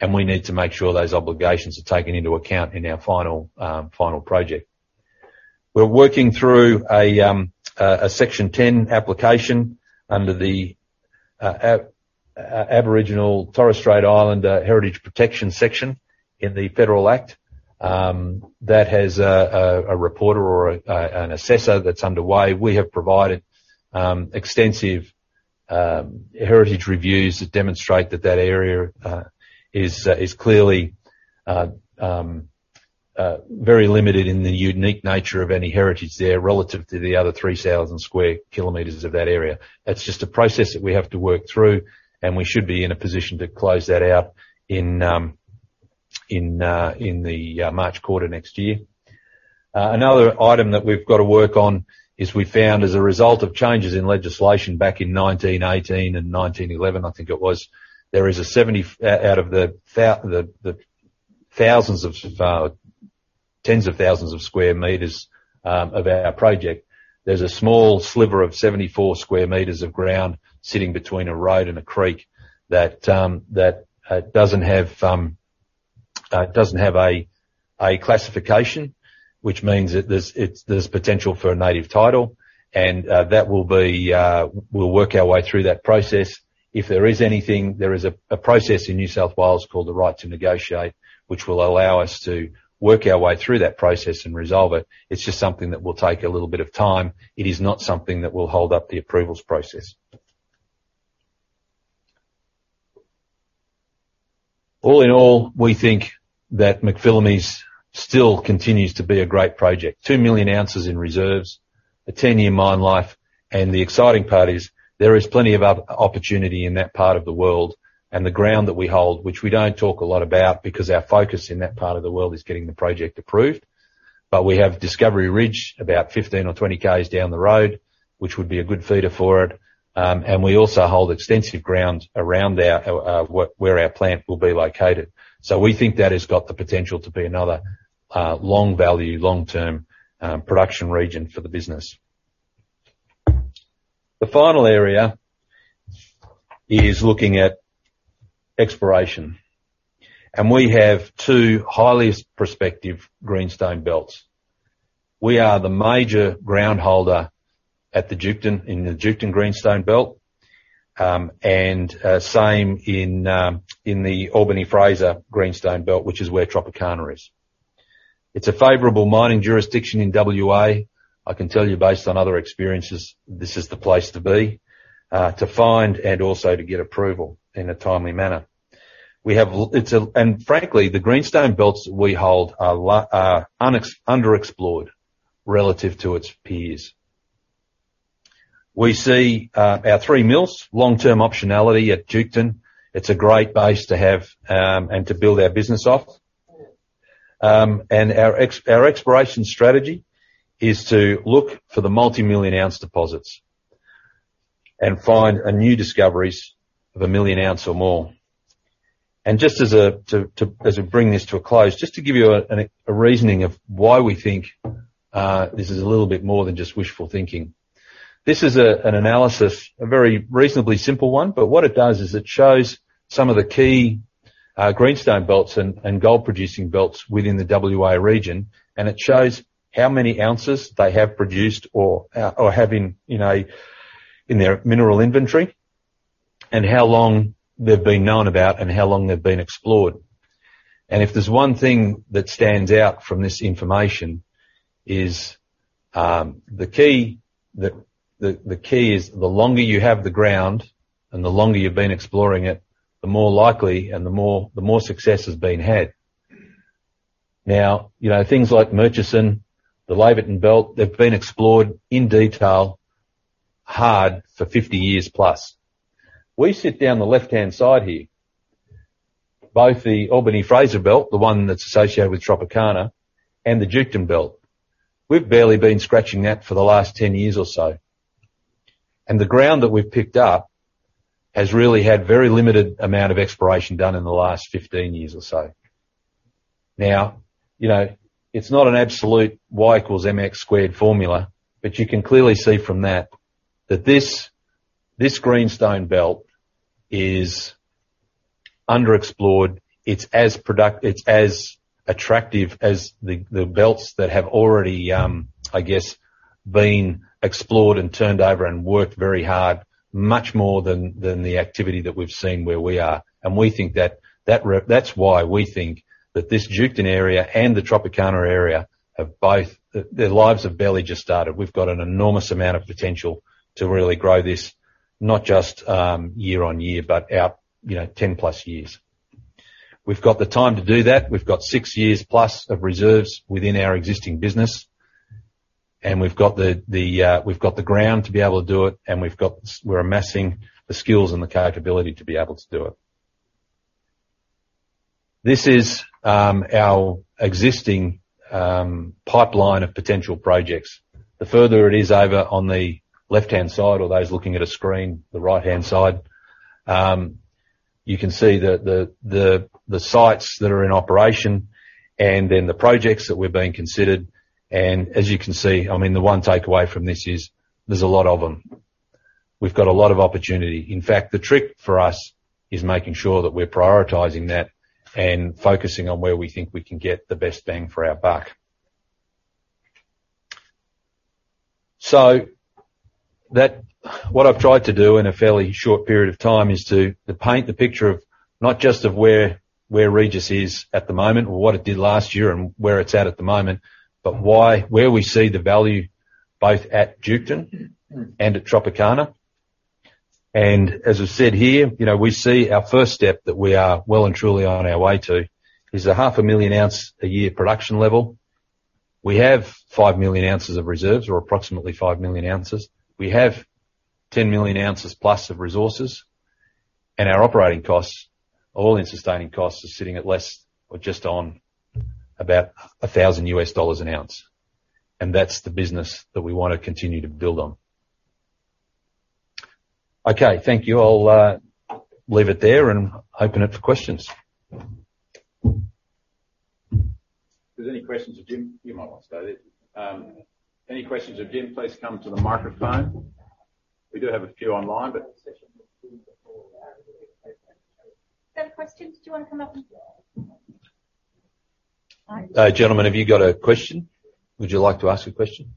and we need to make sure those obligations are taken into account in our final project. We're working through a Section 10 application under the Aboriginal and Torres Strait Islander Heritage Protection Act. That has an assessor that's underway. We have provided extensive heritage reviews that demonstrate that that area is clearly very limited in the unique nature of any heritage there relative to the other 3,000 sq km of that area. That's just a process that we have to work through, and we should be in a position to close that out in the March quarter next year. Another item that we've got to work on is we found, as a result of changes in legislation back in 1918 and 1911, I think it was, out of the thousands of tens of thousands of sq m of our project, there's a small sliver of 74 sq m of ground sitting between a road and a creek that doesn't have a classification, which means that there's potential for a native title. That will be. We'll work our way through that process. If there is anything, there is a process in New South Wales called the right to negotiate, which will allow us to work our way through that process and resolve it. It's just something that will take a little bit of time. It is not something that will hold up the approvals process. All in all, we think that McPhillamys still continues to be a great project. 2 million ounces in reserves, a 10-year mine life, and the exciting part is there is plenty of opportunity in that part of the world. The ground that we hold, which we don't talk a lot about because our focus in that part of the world is getting the project approved, but we have Discovery Ridge about 15km or 20 km down the road, which would be a good feeder for it. We also hold extensive ground around our, where our plant will be located. We think that has got the potential to be another long-term production region for the business. The final area is looking at exploration. We have two highly prospective greenstone belts. We are the major ground holder at the Duketon, in the Duketon Greenstone Belt. Same in in the Albany-Fraser Greenstone Belt, which is where Tropicana is. It's a favorable mining jurisdiction in WA. I can tell you, based on other experiences, this is the place to be, to find and also to get approval in a timely manner. It's a... Frankly, the greenstone belts we hold are underexplored relative to its peers. We see our three mills, long-term optionality at Duketon. It's a great base to have and to build our business off. Our exploration strategy is to look for the multi-million-ounce deposits and find new discoveries of a million ounce or more. Just to bring this to a close, just to give you a reasoning of why we think this is a little bit more than just wishful thinking. This is an analysis, a very reasonably simple one, but what it does is it shows some of the key greenstone belts and gold-producing belts within the WA region. It shows how many ounces they have produced or have in their mineral inventory, and how long they've been known about and how long they've been explored. If there's one thing that stands out from this information is the key is the longer you have the ground and the longer you've been exploring it, the more likely and the more success has been had. Now, you know things like Murchison, the Laverton Belt, they've been explored in detail, hard for 50 years plus. We sit down the left-hand side here, both the Albany-Fraser Belt, the one that's associated with Tropicana and the Duketon Belt. We've barely been scratching that for the last 10 years or so. The ground that we've picked up has really had very limited amount of exploration done in the last 15 years or so. Now, you know, it's not an absolute Y equals MX squared formula, but you can clearly see from that this greenstone belt is underexplored. It's as attractive as the belts that have already, I guess, been explored and turned over and worked very hard, much more than the activity that we've seen where we are. We think that's why we think that this Duketon area and the Tropicana area have both. Their lives have barely just started. We've got an enormous amount of potential to really grow this, not just year on year, but out, you know, 10+ years. We've got the time to do that. We've got six years+ of reserves within our existing business. We've got the ground to be able to do it, and we're amassing the skills and the capability to be able to do it. This is our existing pipeline of potential projects. The further it is over on the left-hand side, or those looking at a screen, the right-hand side, you can see the sites that are in operation and then the projects that we're considering. As you can see, I mean, the one takeaway from this is there's a lot of them. We've got a lot of opportunity. In fact, the trick for us is making sure that we're prioritizing that and focusing on where we think we can get the best bang for our buck. What I've tried to do in a fairly short period of time is to paint the picture of not just of where Regis is at the moment or what it did last year and where it's at the moment, but where we see the value both at Duketon and at Tropicana. As I've said here, you know, we see our first step that we are well and truly on our way to is a half a million ounce a year production level. We have 5 million ounces of reserves, or approximately 5 million ounces. We have 10 million ounces plus of resources. Our operating costs, all-in sustaining costs are sitting at less or just on about $1,000 an ounce. That's the business that we want to continue to build on. Okay, thank you. I'll leave it there and open it for questions. If there's any questions for Jim, you might want to stay there. Any questions with Jim, please come to the microphone. We do have a few online, but. We've got a question. Do you want to come up? Gentlemen, have you got a question? Would you like to ask a question?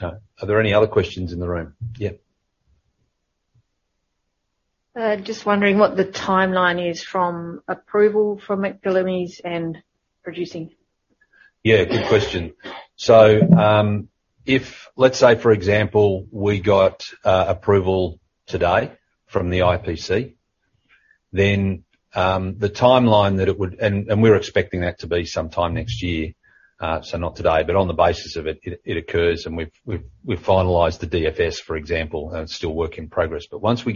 No. Are there any other questions in the room? Yeah. Just wondering what the timeline is from approval from McPhillamys and producing? Yeah, good question. If, let's say, for example, we got approval today from the IPC, then we're expecting that to be sometime next year, so not today. On the basis of it occurs, and we've finalized the DFS, for example, and it's still work in progress. Once we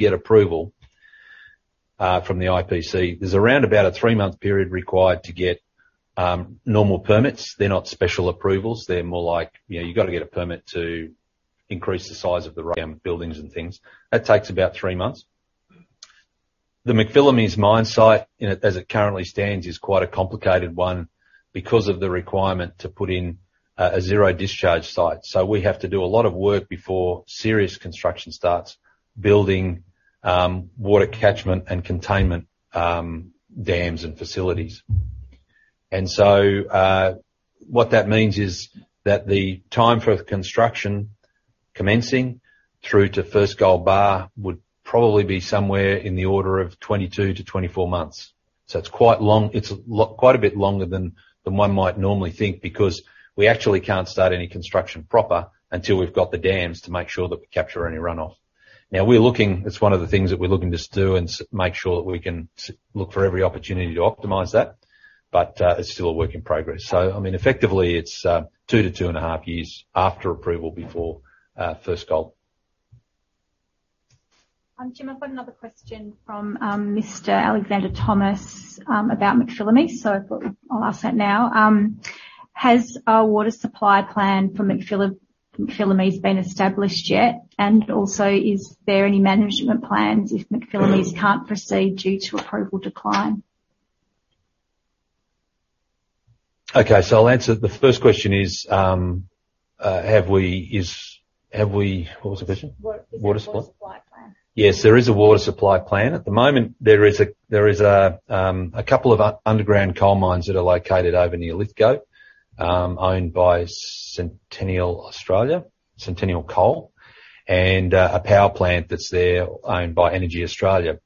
get approval from the IPC, there's around about a three-month period required to get normal permits. They're not special approvals. They're more like, you know, you've got to get a permit to increase the size of the buildings and things. That takes about three months. The McPhillamys mine site, you know, as it currently stands, is quite a complicated one because of the requirement to put in a zero discharge site. We have to do a lot of work before serious construction starts, building water catchment and containment dams and facilities. What that means is that the time for construction commencing through to first gold bar would probably be somewhere in the order of 22 months to 24 months. It's quite long. It's quite a bit longer than one might normally think, because we actually can't start any construction proper until we've got the dams to make sure that we capture any runoff. Now we're looking. It's one of the things that we're looking to do and make sure that we can look for every opportunity to optimize that. It's still a work in progress. I mean, effectively, it's two to two and a half years after approval before first gold. Jim, I've got another question from Mr. Alexander Thomas about McPhillamys. I thought I'll ask that now. Has a water supply plan for McPhillamys been established yet? And also is there any management plans if McPhillamys can't proceed due to approval decline? Okay. I'll answer. The first question is, what was the question? Water, if there's a water supply plan. Water supply. Yes, there is a water supply plan. At the moment, there is a couple of underground coal mines that are located over near Lithgow, owned by Centennial Coal, and a power plant that's there owned by EnergyAustralia.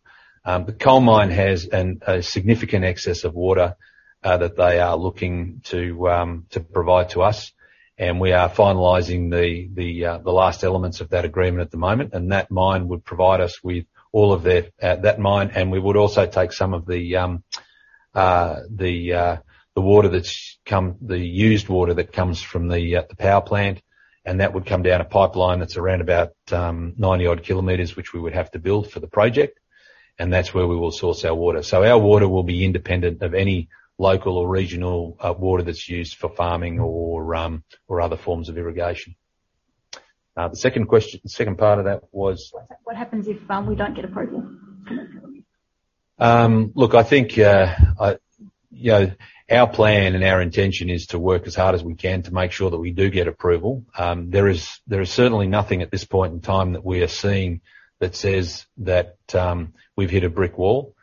The coal mine has a significant excess of water that they are looking to provide to us, and we are finalizing the last elements of that agreement at the moment. That mine would provide us with all of their excess, and we would also take some of the used water that comes from the power plant, and that would come down a pipeline that's around about 90-odd km, which we would have to build for the project. That's where we will source our water. Our water will be independent of any local or regional water that's used for farming or other forms of irrigation. The second question, second part of that was? What happens if we don't get approval for McPhillamys? Look, I think, you know, our plan and our intention is to work as hard as we can to make sure that we do get approval. There is certainly nothing at this point in time that we are seeing that says that we've hit a brick wall.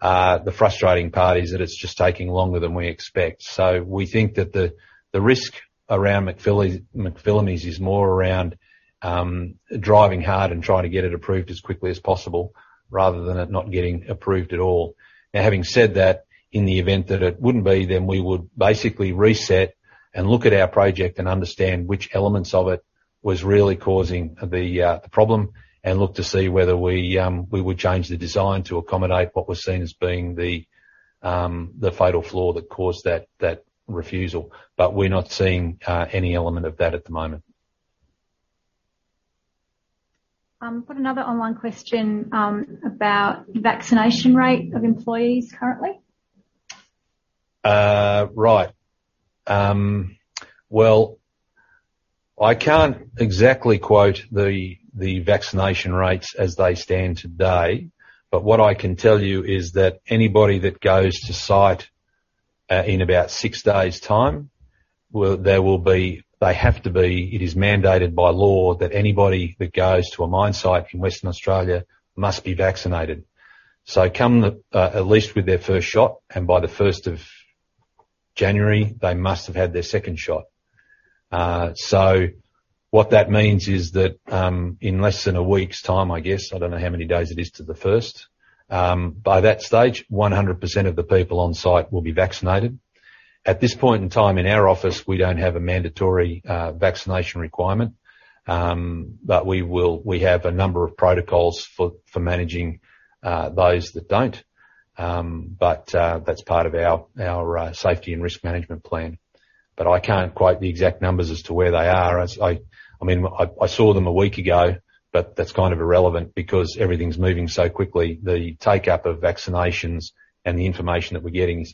The frustrating part is that it's just taking longer than we expect. We think that the risk around McPhillamys is more around driving hard and trying to get it approved as quickly as possible rather than it not getting approved at all. Now, having said that, in the event that it wouldn't be, then we would basically reset and look at our project and understand which elements of it was really causing the problem and look to see whether we would change the design to accommodate what was seen as being the fatal flaw that caused that refusal. But we're not seeing any element of that at the moment. I've got another online question, about vaccination rate of employees currently. I can't exactly quote the vaccination rates as they stand today, but what I can tell you is that anybody that goes to site in about six days' time will be. They have to be. It is mandated by law that anybody that goes to a mine site in Western Australia must be vaccinated. Come at least with their first shot, and by the first of January, they must have had their second shot. What that means is that in less than a week's time, I guess. I don't know how many days it is to the first. By that stage, 100% of the people on site will be vaccinated. At this point in time, in our office, we don't have a mandatory vaccination requirement, but we have a number of protocols for managing those that don't. That's part of our safety and risk management plan. I can't quote the exact numbers as to where they are. I mean, I saw them a week ago, but that's kind of irrelevant because everything's moving so quickly. The take-up of vaccinations and the information that we're getting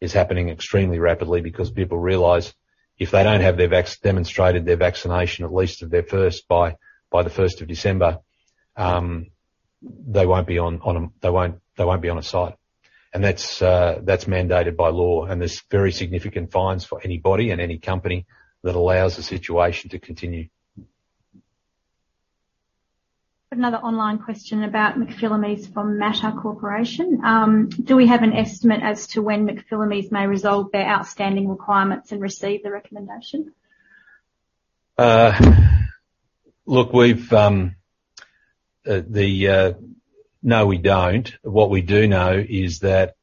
is happening extremely rapidly because people realize if they don't have demonstrated their vaccination, at least of their first, by the first of December, they won't be on a site. That's mandated by law, and there's very significant fines for anybody and any company that allows the situation to continue. Another online question about McPhillamys from Matter Corporation. Do we have an estimate as to when McPhillamys may resolve their outstanding requirements and receive the recommendation? No, we don't. What we do know is that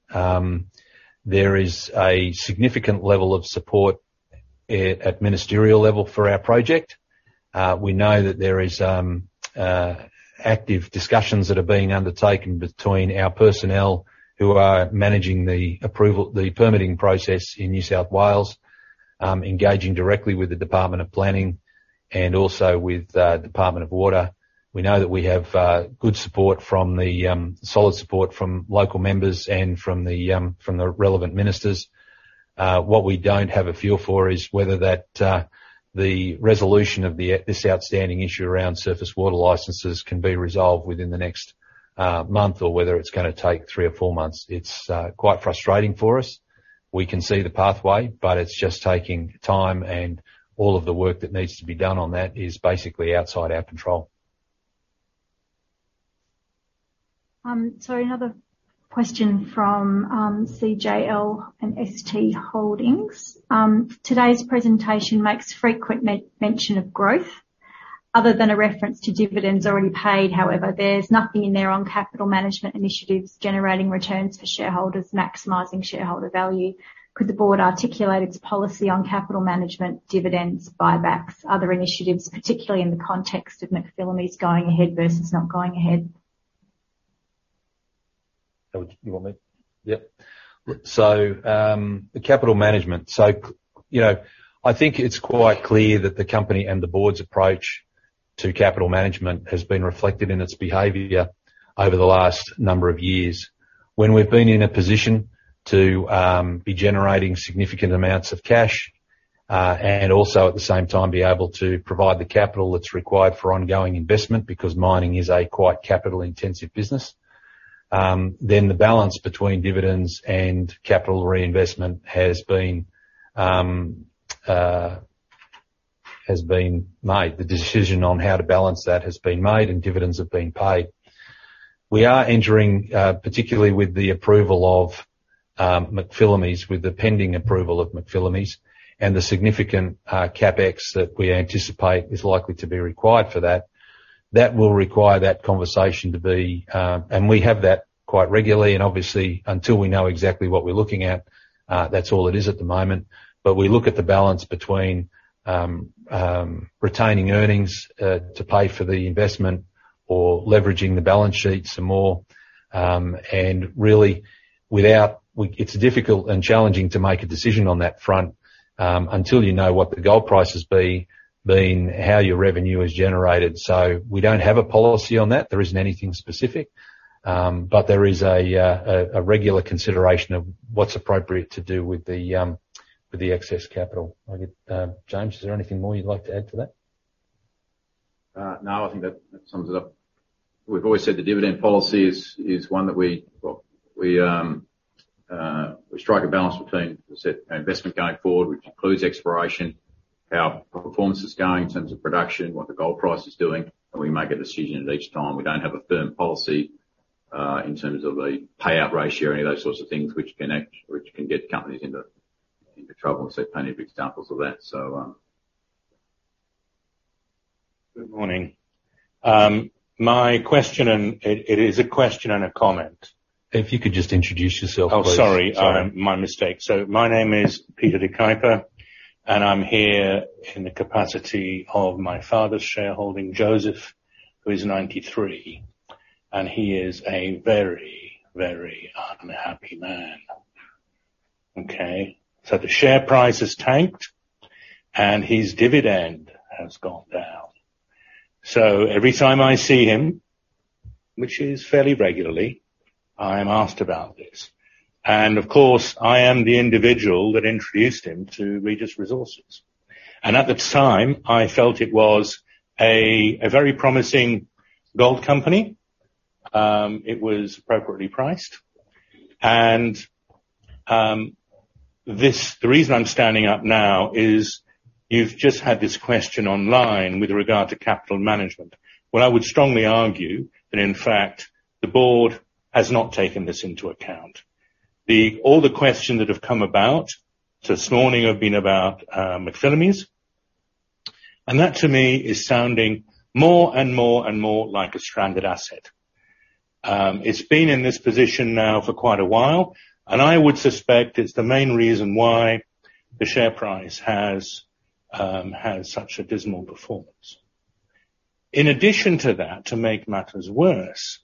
there is a significant level of support at ministerial level for our project. We know that there is active discussions that are being undertaken between our personnel who are managing the approval, the permitting process in New South Wales, engaging directly with the Department of Planning and also with Department of Water. We know that we have good, solid support from local members and from the relevant ministers. What we don't have a feel for is whether the resolution of this outstanding issue around surface water licenses can be resolved within the next month or whether it's going to take three or four months. It's quite frustrating for us. We can see the pathway, but it's just taking time, and all of the work that needs to be done on that is basically outside our control. Another question from CJL and ST Holdings. Today's presentation makes frequent mention of growth. Other than a reference to dividends already paid, however, there's nothing in there on capital management initiatives generating returns for shareholders, maximizing shareholder value. Could the board articulate its policy on capital management, dividends, buybacks, other initiatives, particularly in the context of McPhillamys going ahead versus not going ahead? You want me? Yep. The capital management. You know, I think it's quite clear that the company and the board's approach to capital management has been reflected in its behavior over the last number of years. When we've been in a position to be generating significant amounts of cash and also at the same time be able to provide the capital that's required for ongoing investment because mining is a quite capital-intensive business, then the balance between dividends and capital reinvestment has been made. The decision on how to balance that has been made and dividends have been paid. We are entering particularly with the approval of McPhillamys, with the pending approval of McPhillamys and the significant CapEx that we anticipate is likely to be required for that. That will require that conversation to be. We have that quite regularly, and obviously, until we know exactly what we're looking at, that's all it is at the moment. We look at the balance between retaining earnings to pay for the investment or leveraging the balance sheet some more. It's difficult and challenging to make a decision on that front until you know what the gold price has been, how your revenue is generated. We don't have a policy on that. There isn't anything specific. There is a regular consideration of what's appropriate to do with the excess capital. I think, James, is there anything more you'd like to add to that? No, I think that sums it up. We've always said the dividend policy is one that we strike a balance between, as I said, our investment going forward, which includes exploration, how performance is going in terms of production, what the gold price is doing, and we make a decision at each time. We don't have a firm policy in terms of a payout ratio or any of those sorts of things which can get companies into trouble. I've seen plenty of examples of that, so. Good morning. My question and it is a question and a comment. If you could just introduce yourself, please. Oh, sorry. Sorry. My mistake. My name is Peter De Cuyper, and I'm here in the capacity of my father's shareholding, Joseph, who is 93, and he is a very, very unhappy man. Okay? The share price has tanked, and his dividend has gone down. Every time I see him, which is fairly regularly, I am asked about this. Of course, I am the individual that introduced him to Regis Resources. At the time, I felt it was a very promising gold company. It was appropriately priced. This, the reason I'm standing up now is. You've just had this question online with regard to capital management. What I would strongly argue that, in fact, the board has not taken this into account. All the questions that have come about this morning have been about McPhillamys, and that to me is sounding more and more and more like a stranded asset. It's been in this position now for quite a while, and I would suspect it's the main reason why the share price has had such a dismal performance. In addition to that, to make matters worse,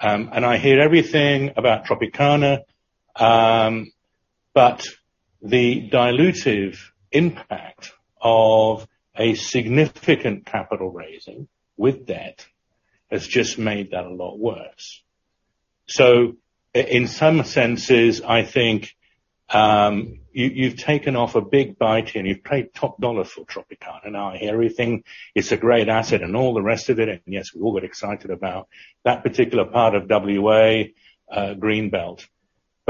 and I hear everything about Tropicana, but the dilutive impact of a significant capital raising with debt has just made that a lot worse. In some senses, I think you've taken off a big bite and you've paid top dollar for Tropicana. Now, I hear everything. It's a great asset and all the rest of it, and yes, we all get excited about that particular part of WA, Green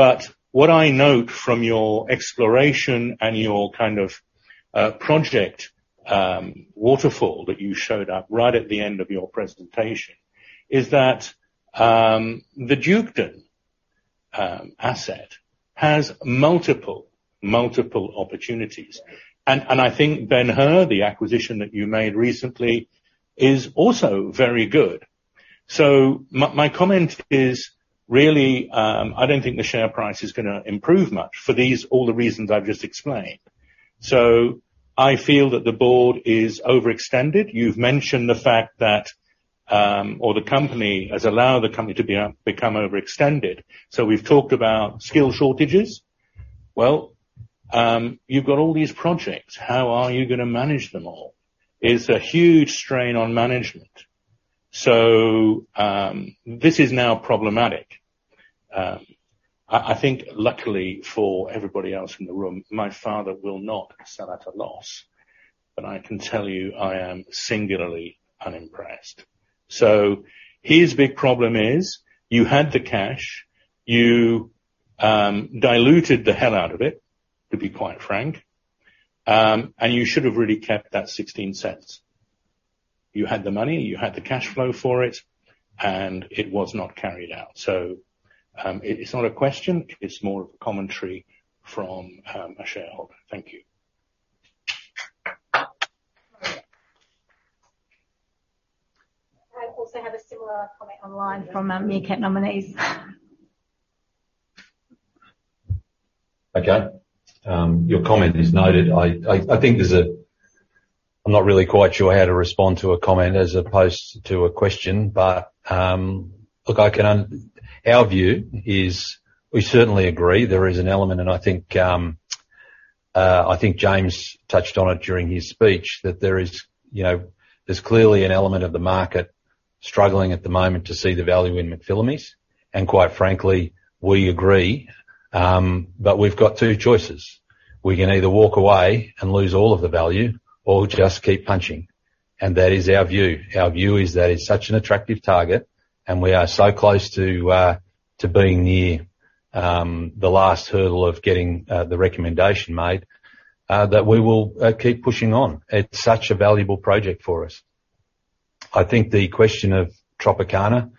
Belt. What I note from your exploration and your project waterfall that you showed us right at the end of your presentation is that the Duketon asset has multiple opportunities. I think Benhur, the acquisition that you made recently is also very good. My comment is really, I don't think the share price is going to improve much for all the reasons I've just explained. I feel that the board is overextended. You've mentioned the fact that or the company has allowed the company to become overextended. We've talked about skill shortages. You've got all these projects. How are you going to manage them all? It's a huge strain on management. This is now problematic. I think luckily for everybody else in the room, my father will not sell at a loss, but I can tell you I am singularly unimpressed. His big problem is you had the cash, you diluted the hell out of it, to be quite frank, and you should have really kept that 0.16. You had the money, you had the cash flow for it, and it was not carried out. It's not a question, it's more of a commentary from a shareholder. Thank you. I also have a similar comment online from Meerkat Nominees. Okay. Your comment is noted. I'm not really quite sure how to respond to a comment as opposed to a question. Look, our view is we certainly agree there is an element, and I think James touched on it during his speech, that there is, you know, there's clearly an element of the market struggling at the moment to see the value in McPhillamys. Quite frankly, we agree, but we've got two choices. We can either walk away and lose all of the value or just keep punching. That is our view. Our view is that it's such an attractive target and we are so close to being near the last hurdle of getting the recommendation made that we will keep pushing on. It's such a valuable project for us. I think the question of Tropicana,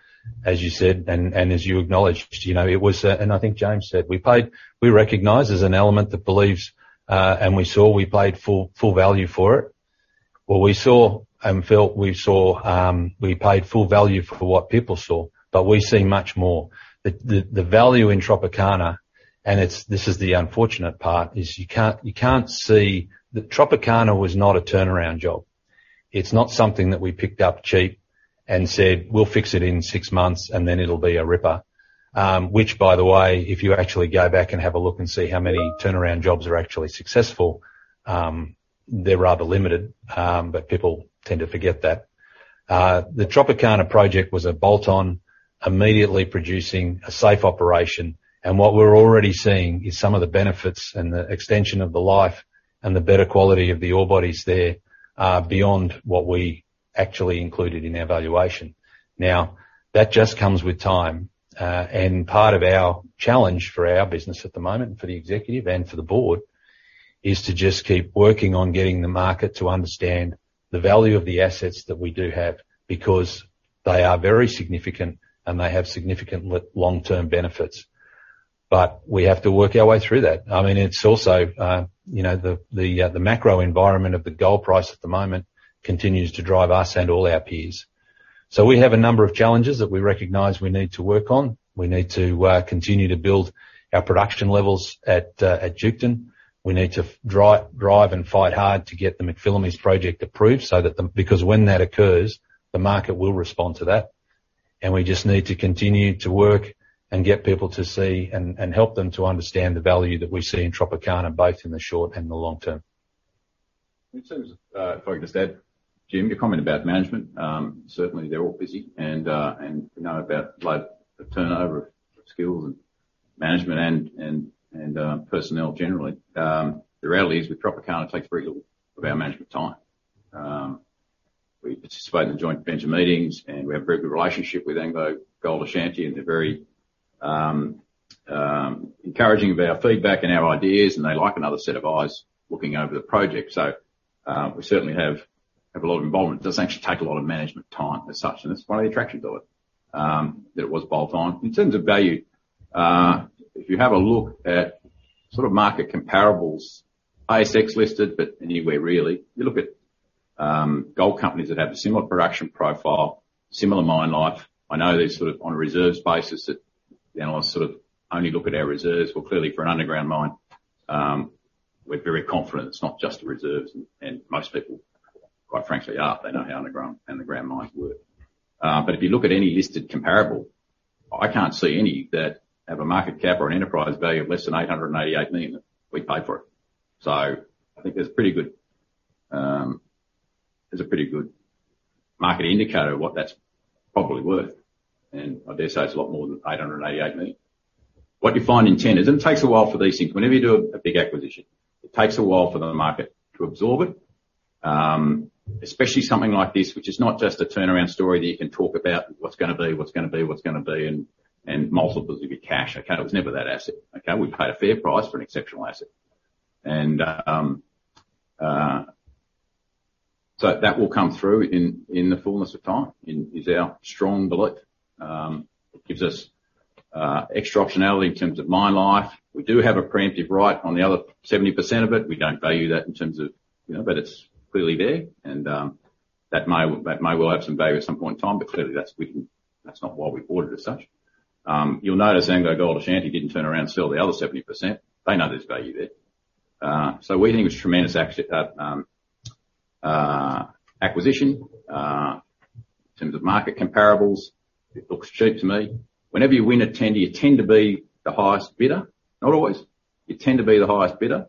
as you said and as you acknowledged, you know, it was and I think James said, we recognize there's an element that believes and we saw we paid full value for it. What we saw and felt we saw, we paid full value for what people saw, but we see much more. The value in Tropicana, and it's this is the unfortunate part, is you can't see that Tropicana was not a turnaround job. It's not something that we picked up cheap and said, "We'll fix it in six months, and then it'll be a ripper." Which by the way, if you actually go back and have a look and see how many turnaround jobs are actually successful, they're rather limited, but people tend to forget that. The Tropicana project was a bolt-on, immediately producing a safe operation. What we're already seeing is some of the benefits and the extension of the life and the better quality of the ore bodies there are beyond what we actually included in our valuation. Now, that just comes with time. Part of our challenge for our business at the moment, for the executive and for the Board, is to just keep working on getting the market to understand the value of the assets that we do have, because they are very significant, and they have significant long-term benefits. We have to work our way through that. I mean, it's also, you know, the macro environment of the gold price at the moment continues to drive us and all our peers. We have a number of challenges that we recognize we need to work on. We need to continue to build our production levels at Duketon. We need to drive and fight hard to get the McPhillamys project approved. Because when that occurs, the market will respond to that. We just need to continue to work and get people to see and help them to understand the value that we see in Tropicana, both in the short and the long term. In terms of, if I could just add, Jim, your comment about management, certainly they're all busy and we know about low turnover of skills and management and personnel generally. The reality is, with Tropicana, it takes very little of our management time. We participate in joint venture meetings, and we have a very good relationship with AngloGold Ashanti, and they're very encouraging of our feedback and our ideas, and they like another set of eyes looking over the project. We certainly have a lot of involvement. It doesn't actually take a lot of management time as such, and that's one of the attractions of it, that it was bolt-on. In terms of value, if you have a look at sort of market comparables, ASX listed, but anywhere really, you look at gold companies that have a similar production profile, similar mine life. I know they're sort of on a reserves basis that, you know, I sort of only look at our reserves. Well, clearly, for an underground mine, we're very confident it's not just the reserves. Most people, quite frankly, are. They know how an underground mine works. If you look at any listed comparable, I can't see any that have a market cap or an enterprise value of less than 888 million that we paid for it. I think that's pretty good. That's a pretty good market indicator of what that's probably worth. I dare say it's a lot more than 888 million. What you find in them is it takes a while for these things. Whenever you do a big acquisition, it takes a while for the market to absorb it, especially something like this, which is not just a turnaround story that you can talk about what's going to be and multiples of your cash. It was never that asset. We paid a fair price for an exceptional asset. That will come through in the fullness of time, is our strong belief. It gives us extra optionality in terms of mine life. We do have a preemptive right on the other 70% of it. We don't value that in terms of, you know, but it's clearly there. That may well have some value at some point in time, but clearly, that's not why we bought it as such. You'll notice AngloGold Ashanti didn't turn around and sell the other 70%. They know there's value there. We think it's tremendous acquisition. In terms of market comparables, it looks cheap to me. Whenever you win a tender, you tend to be the highest bidder. Not always. You tend to be the highest bidder,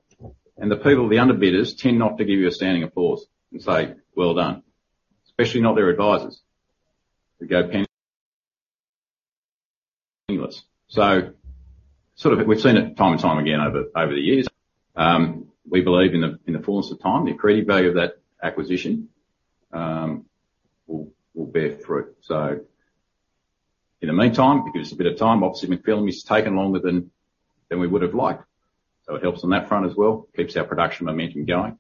and the people, the underbidders, tend not to give you a standing applause and say, "Well done." Especially not their advisors. So sort of we've seen it time and time again over the years. We believe in the fullness of time, the accreted value of that acquisition will bear fruit. So in the meantime, it gives us a bit of time. Obviously, McPhillamys is taking longer than we would have liked, so it helps on that front as well. Keeps our production momentum going,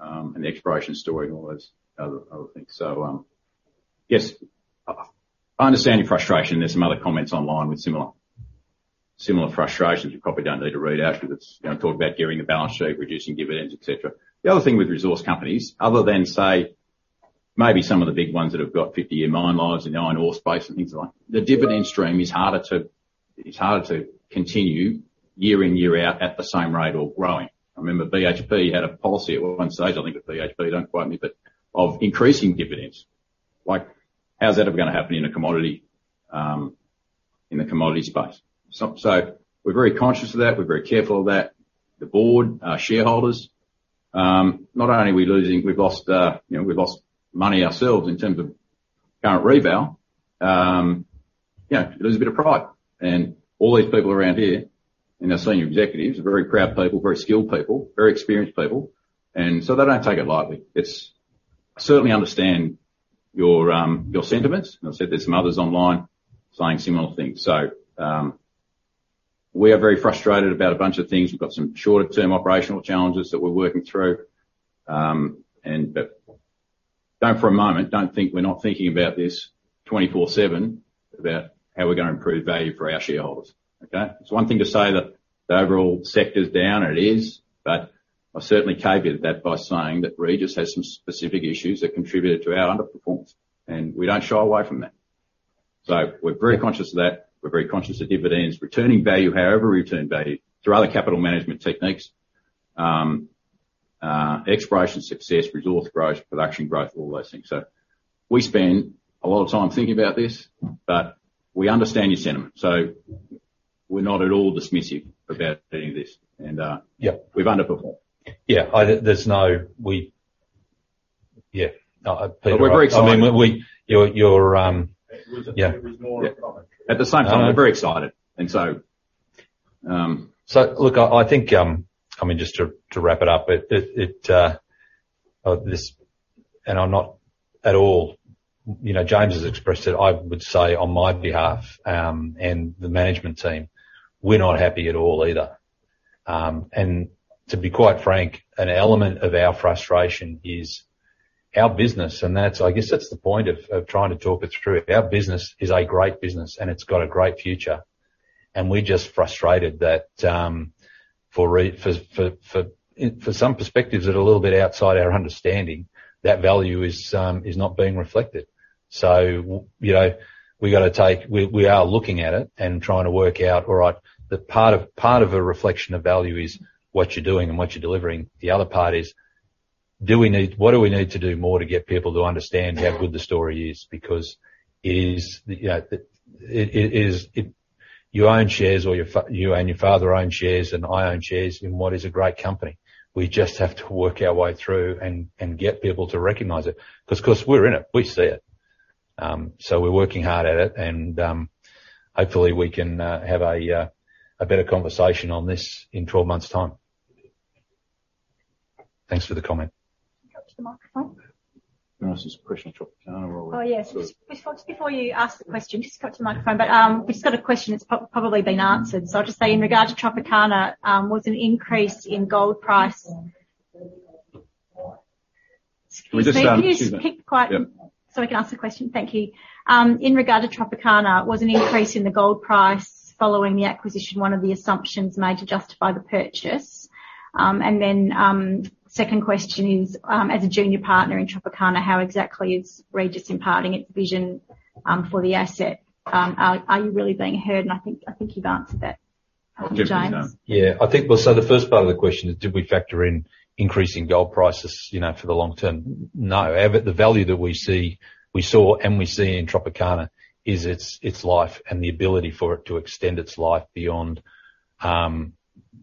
and the exploration story and all those other things. So yes, I understand your frustration. There's some other comments online with similar frustrations. You probably don't need to read out because it's, you know, talking about gearing the balance sheet, reducing dividends, et cetera. The other thing with resource companies, other than, say, maybe some of the big ones that have got 50-year mine lives in the iron ore space and things like that, the dividend stream is harder to, it's harder to continue year in, year out at the same rate or growing. I remember BHP had a policy at one stage, I think with BHP, don't quote me, but of increasing dividends. Like, how's that ever going to happen in a commodity, in the commodities space? So we're very conscious of that. We're very careful of that. The board, our shareholders, not only are we losing, we've lost money ourselves in terms of current reval. You know, you lose a bit of pride. All these people around here and our senior executives are very proud people, very skilled people, very experienced people. They don't take it lightly. I certainly understand your sentiments, and I said there's some others online saying similar things. We are very frustrated about a bunch of things. We've got some shorter term operational challenges that we're working through. Don't for a moment think we're not thinking about this 24/7, about how we're going to improve value for our shareholders. Okay. It's one thing to say that the overall sector's down, and it is, but I certainly caveat that by saying that Regis has some specific issues that contributed to our underperformance, and we don't shy away from that. We're very conscious of that. We're very conscious of dividends, returning value, however we return value, through other capital management techniques, exploration success, resource growth, production growth, all those things. We spend a lot of time thinking about this, but we understand your sentiment. We're not at all dismissive about any of this. Yeah, we've underperformed. No, Peter. We're very excited. You're yeah. At the same time, we're very excited and so. Look, I think, I mean, just to wrap it up. I'm not at all, you know, James has expressed it, I would say on my behalf, and the management team, we're not happy at all either. To be quite frank, an element of our frustration is our business. That's, I guess, the point of trying to talk this through. Our business is a great business, and it's got a great future. We're just frustrated that for some perspectives that are a little bit outside our understanding, that value is not being reflected. You know, we are looking at it and trying to work out, all right, that part of a reflection of value is what you're doing and what you're delivering. The other part is, what do we need to do more to get people to understand how good the story is? Because it is, you know, it is. You own shares or you and your father own shares, and I own shares in what is a great company. We just have to work our way through and get people to recognize it because of course, we're in it, we see it. We're working hard at it and hopefully we can have a better conversation on this in 12 months time. Thanks for the comment. Go to the microphone. No, it's just a question on Tropicana. Oh, yes. Just before you ask the question, just go to the microphone. We just got a question that's probably been answered. I'll just say, in regard to Tropicana, was an increase in gold price. We just Can you just keep quiet? Yep. We can ask the question? Thank you. In regard to Tropicana, was an increase in the gold price following the acquisition, one of the assumptions made to justify the purchase? Second question is, as a junior partner in Tropicana, how exactly is Regis imparting its vision for the asset? Are you really being heard? I think you've answered that. I'll give you that. James. Yeah. I think. Well, so the first part of the question is, did we factor in increasing gold prices, you know, for the long term? No. The value that we see, we saw and we see in Tropicana is its life and the ability for it to extend its life beyond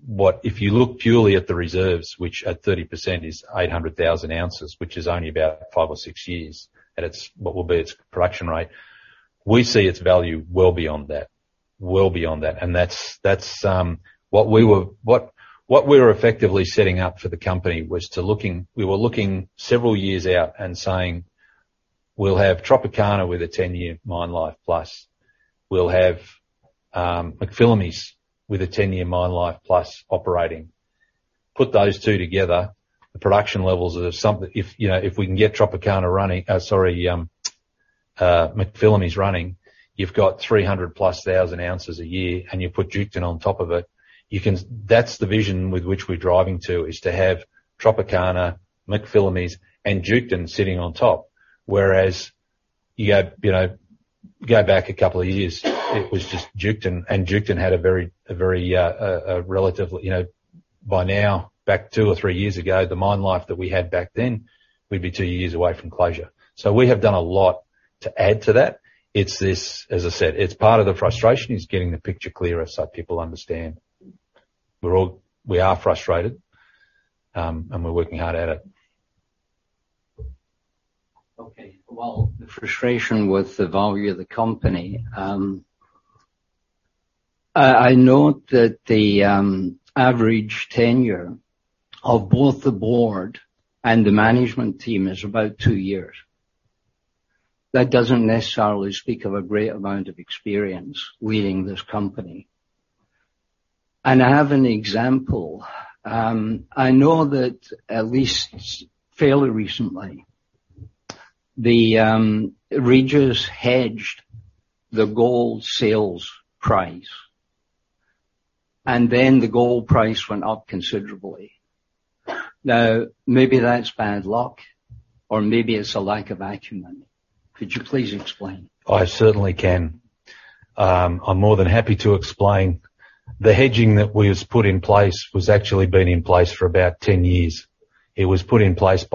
what. If you look purely at the reserves, which at 30% is 800,000 ounces, which is only about five or six years at its what will be its production rate. We see its value well beyond that. And that's what we were effectively setting up for the company was we were looking several years out and saying, "We'll have Tropicana with a 10-year mine life plus. We'll have McPhillamys with a 10-year mine life plus operating." Put those two together. The production levels are. If, you know, if we can get Tropicana running, sorry, McPhillamys running, you've got 300,000+ ounces a year, and you put Duketon on top of it. That's the vision with which we're driving to, is to have Tropicana, McPhillamys and Duketon sitting on top. Whereas you had, you know, go back a couple of years, it was just Duketon, and Duketon had a very relatively, you know, by now back two or three years ago, the mine life that we had back then, we'd be two years away from closure. We have done a lot to add to that. It's this, as I said, it's part of the frustration, is getting the picture clearer so people understand. We are all frustrated and we're working hard at it. Okay. Well, the frustration with the value of the company, I note that the average tenure of both the board and the management team is about two years. That doesn't necessarily speak of a great amount of experience leading this company. I have an example. I know that at least fairly recently, the Regis hedged the gold sales price, and then the gold price went up considerably. Now, maybe that's bad luck or maybe it's a lack of acumen. Could you please explain? I certainly can. I'm more than happy to explain. The hedging that we has put in place was actually been in place for about 10 years. It was put in place as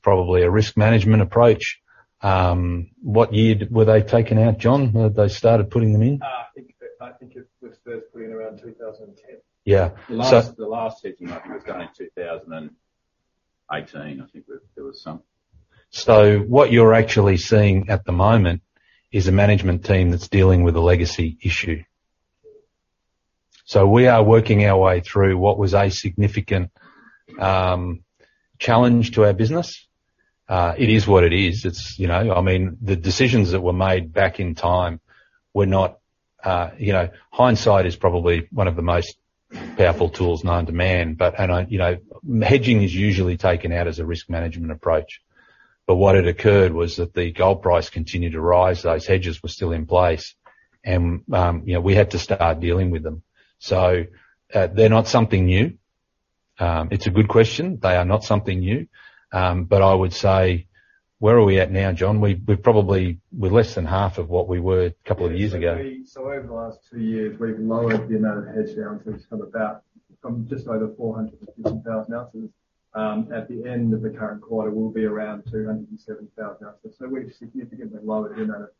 probably a risk management approach. What year were they taken out, John? When they started putting them in. I think it was first put in around 2010. Yeah. The last hedging, I think, was done in 2018. I think there was some. What you're actually seeing at the moment is a management team that's dealing with a legacy issue. We are working our way through what was a significant challenge to our business. It is what it is. It's, you know, I mean, the decisions that were made back in time were not, you know, hindsight is probably one of the most powerful tools known to man. Hedging is usually taken out as a risk management approach. What had occurred was that the gold price continued to rise, those hedges were still in place and, you know, we had to start dealing with them. They're not something new. It's a good question. They are not something new. I would say, where are we at now, John? We're less than half of what we were a couple of years ago. Over the last two years, we've lowered the amount of hedged ounces from just over 450,000 ounces. At the end of the current quarter, we'll be around 270,000 ounces. We've significantly lowered the amount of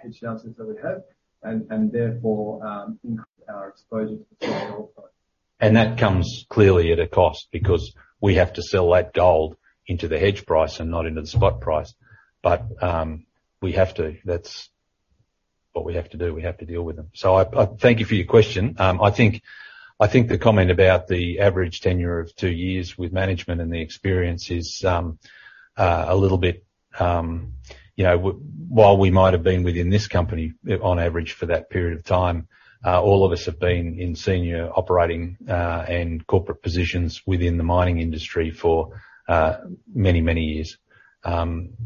hedged ounces that we have and therefore increased our exposure to the gold price. That comes clearly at a cost because we have to sell that gold into the hedge price and not into the spot price. We have to. That's what we have to do. We have to deal with them. I thank you for your question. I think the comment about the average tenure of two years with management and the experience is a little bit you know while we might have been within this company on average for that period of time, all of us have been in senior operating and corporate positions within the mining industry for many years. I'm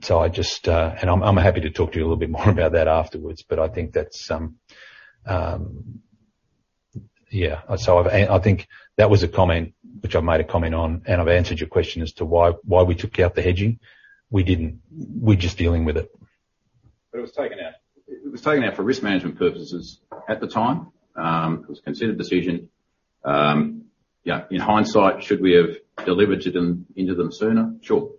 happy to talk to you a little bit more about that afterwards, but I think that's yeah. I think that was a comment which I've made a comment on, and I've answered your question as to why we took out the hedging. We didn't. We're just dealing with it. It was taken out. It was taken out for risk management purposes at the time. It was a considered decision. Yeah, in hindsight, should we have delivered to them into them sooner? Sure.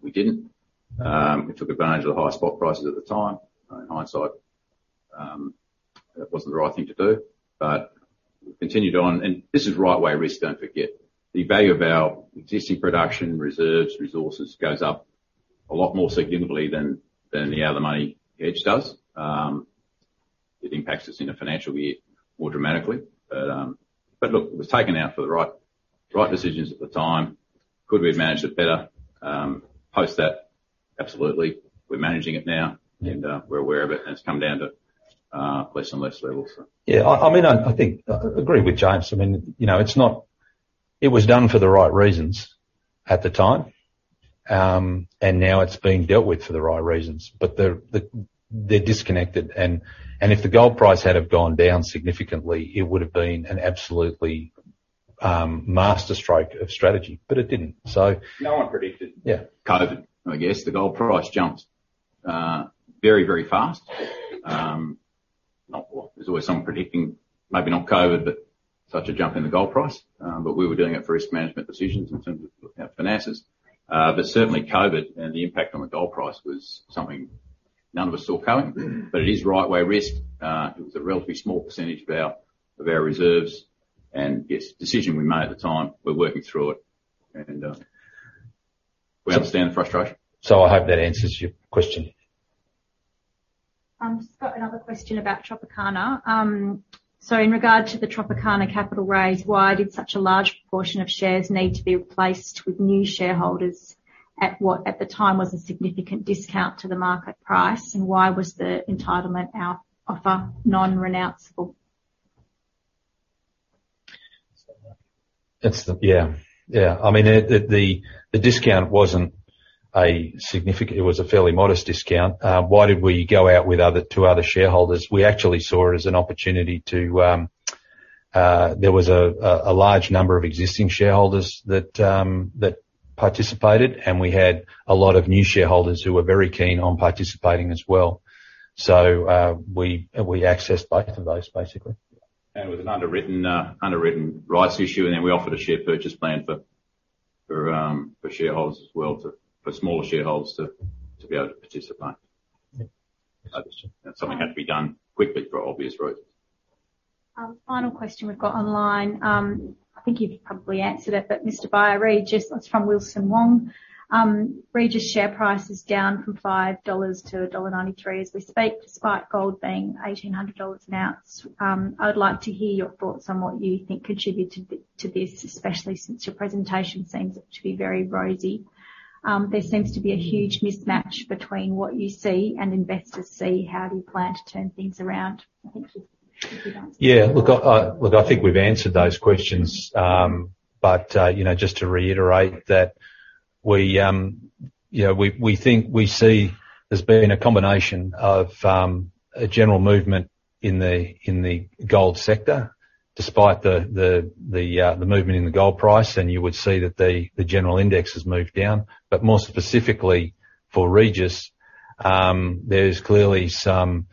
We didn't. We took advantage of the high spot prices at the time. In hindsight, that wasn't the right thing to do. We continued on, and this is right way risk, don't forget. The value of our existing production reserves, resources goes up. A lot more significantly than the out of the money hedge does. It impacts us in a financial year more dramatically. Look, it was taken out for the right decisions at the time. Could we have managed it better post that? Absolutely. We're managing it now and we're aware of it, and it's come down to less and less levels. Yeah. I mean, I think I agree with James. I mean, you know, it was done for the right reasons at the time. Now it's being dealt with for the right reasons. They're disconnected and if the gold price had have gone down significantly, it would have been an absolutely master stroke of strategy. It didn't, so. No one predicted. Yeah. COVID. I guess the gold price jumped very, very fast. There's always someone predicting, maybe not COVID, but such a jump in the gold price. We were doing it for risk management decisions in terms of looking at finances. Certainly COVID and the impact on the gold price was something none of us saw coming. It is right way risk. It was a relatively small percentage of our reserves. Yes, decision we made at the time, we're working through it and we understand the frustration. I hope that answers your question. Just got another question about Tropicana. In regard to the Tropicana capital raise, why did such a large proportion of shares need to be replaced with new shareholders at what the time was a significant discount to the market price? Why was the entitlement offer non-renounceable? Yeah, yeah. I mean, the discount wasn't a significant. It was a fairly modest discount. Why did we go out with two other shareholders? We actually saw it as an opportunity to there was a large number of existing shareholders that participated, and we had a lot of new shareholders who were very keen on participating as well. We accessed both of those, basically. It was an underwritten rights issue, and then we offered a share purchase plan for shareholders as well, for smaller shareholders to be able to participate. Yeah. That's something had to be done quickly for obvious reasons. Final question we've got online. I think you've probably answered it, but Mr. Beyer, it's from Wilson Wong. Regis share price is down from 5 dollars to dollar 1.93 as we speak, despite gold being $1,800 an ounce. I would like to hear your thoughts on what you think contributed to this, especially since your presentation seems to be very rosy. There seems to be a huge mismatch between what you see and investors see. How do you plan to turn things around? I think you've answered that. Look, I think we've answered those questions. You know, just to reiterate that we, you know, we think we see there's been a combination of a general movement in the gold sector, despite the movement in the gold price, and you would see that the general index has moved down. More specifically for Regis, there's clearly some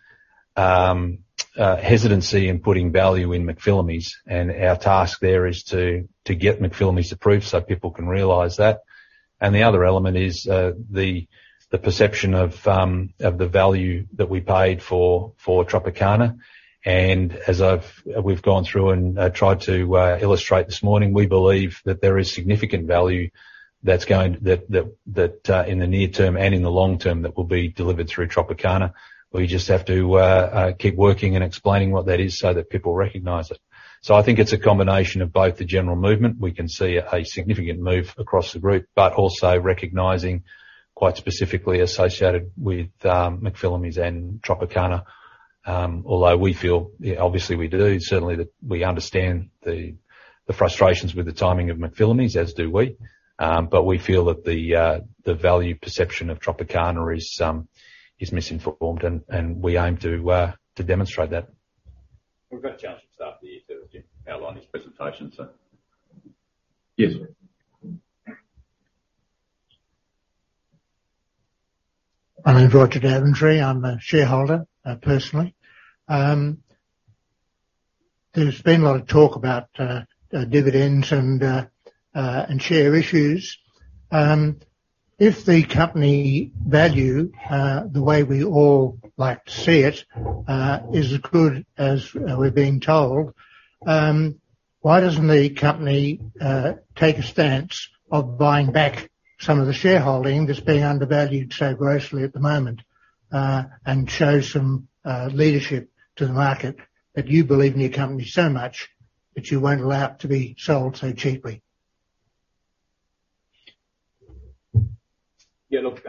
hesitancy in putting value in McPhillamys, and our task there is to get McPhillamys approved so people can realize that. The other element is the perception of the value that we paid for Tropicana. We've gone through and tried to illustrate this morning. We believe that there is significant value that in the near term and in the long term will be delivered through Tropicana. We just have to keep working and explaining what that is so that people recognize it. I think it's a combination of both the general movement, we can see a significant move across the group, but also recognizing quite specifically associated with McPhillamys and Tropicana. Although we feel, obviously we do, certainly that we understand the frustrations with the timing of McPhillamys, as do we. We feel that the value perception of Tropicana is misinformed, and we aim to demonstrate that. We've got James and staff here to outline his presentation, so. Yes. My name is Richard Daventry. I'm a shareholder, personally. There's been a lot of talk about dividends and share issues. If the company value, the way we all like to see it, is as good as we're being told, why doesn't the company take a stance of buying back some of the shareholding that's being undervalued so grossly at the moment, and show some leadership to the market that you believe in your company so much that you won't allow it to be sold so cheaply? Yeah. Look,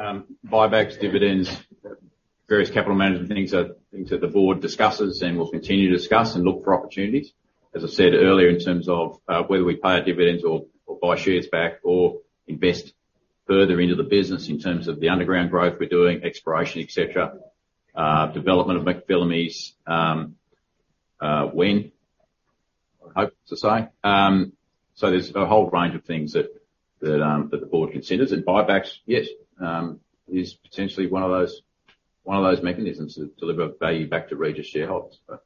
buybacks, dividends, various capital management things are things that the board discusses and will continue to discuss and look for opportunities. As I said earlier, in terms of whether we pay our dividends or buy shares back or invest further into the business in terms of the underground growth we're doing, exploration, et cetera, development of McPhillamys, when I hope to say. There's a whole range of things that that the board considers. Buybacks, yes, is potentially one of those mechanisms to deliver value back to Regis shareholders, but.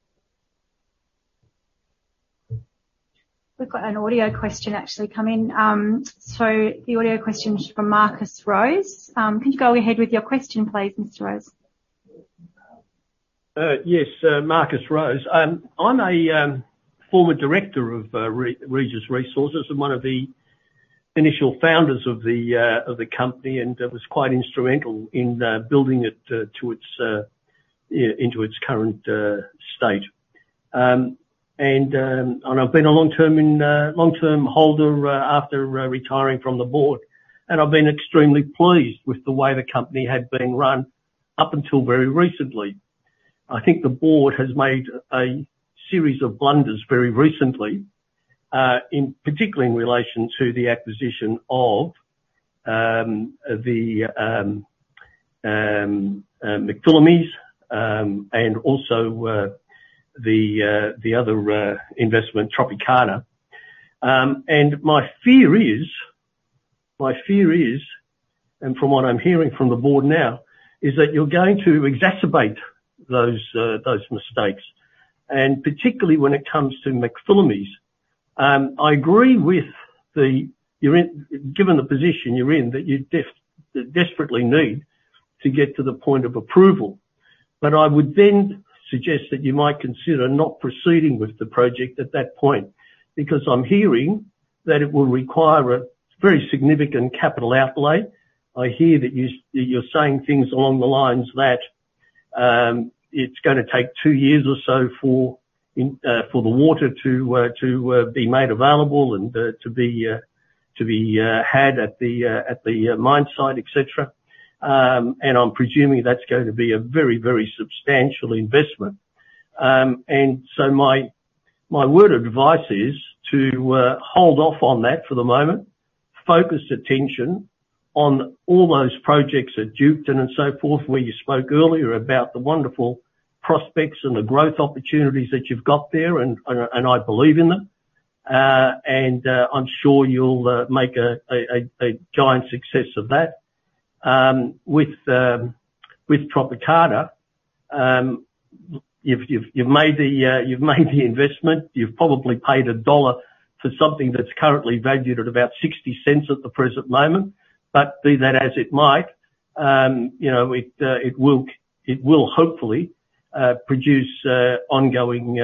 We've got an audio question actually come in. The audio question is from Marcus Rose. Can you go ahead with your question, please, Mr. Rose? Yes. Marcus Rose. I'm a former director of Regis Resources and one of the initial founders of the company, and I was quite instrumental in building it into its current state. I've been a long-term holder after retiring from the board. I've been extremely pleased with the way the company had been run up until very recently. I think the board has made a series of blunders very recently, particularly in relation to the acquisition of McPhillamys and also the other investment, Tropicana. My fear is, and from what I'm hearing from the board now, is that you're going to exacerbate those mistakes, and particularly when it comes to McPhillamys. I agree. Given the position you're in, that you desperately need to get to the point of approval. I would then suggest that you might consider not proceeding with the project at that point, because I'm hearing that it will require a very significant capital outlay. I hear that you're saying things along the lines that it's going to take two years or so for the water to be made available and to be had at the mine site, et cetera. I'm presuming that's going to be a very, very substantial investment. My word of advice is to hold off on that for the moment. Focus attention on all those projects at Duketon and so forth, where you spoke earlier about the wonderful prospects and the growth opportunities that you've got there. I believe in them. I'm sure you'll make a giant success of that. With Tropicana, you've made the investment. You've probably paid AUD 1 for something that's currently valued at about 0.60 at the present moment. Be that as it might, you know, it will hopefully produce ongoing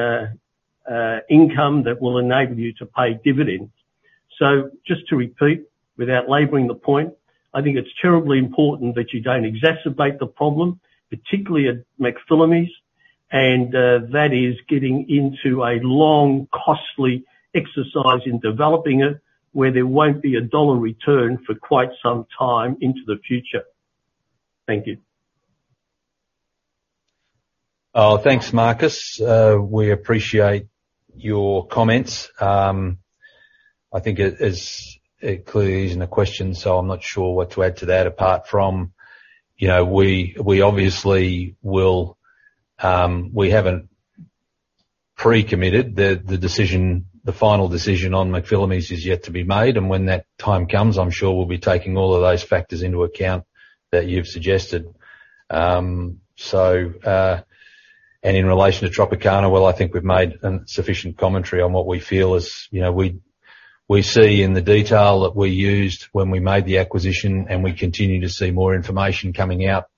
income that will enable you to pay dividends. Just to repeat, without laboring the point, I think it's terribly important that you don't exacerbate the problem, particularly at McPhillamys, and that is getting into a long, costly exercise in developing it where there won't be a dollar return for quite some time into the future. Thank you. Oh, thanks, Marcus. We appreciate your comments. I think it clearly isn't a question, so I'm not sure what to add to that, apart from, you know, we obviously will. We haven't pre-committed. The final decision on McPhillamys is yet to be made. When that time comes, I'm sure we'll be taking all of those factors into account that you've suggested. In relation to Tropicana, well, I think we've made sufficient commentary on what we feel is, you know, we see in the detail that we used when we made the acquisition, and we continue to see more information coming out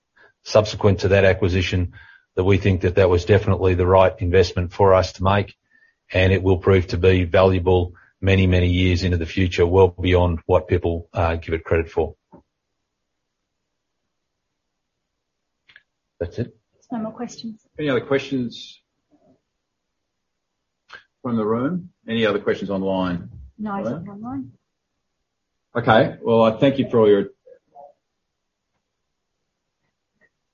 subsequent to that acquisition, that we think that was definitely the right investment for us to make. It will prove to be valuable many, many years into the future, well beyond what people give it credit for. That's it. There's no more questions. Any other questions from the room? Any other questions online? No, it's online. Okay. Well, I thank you for all your.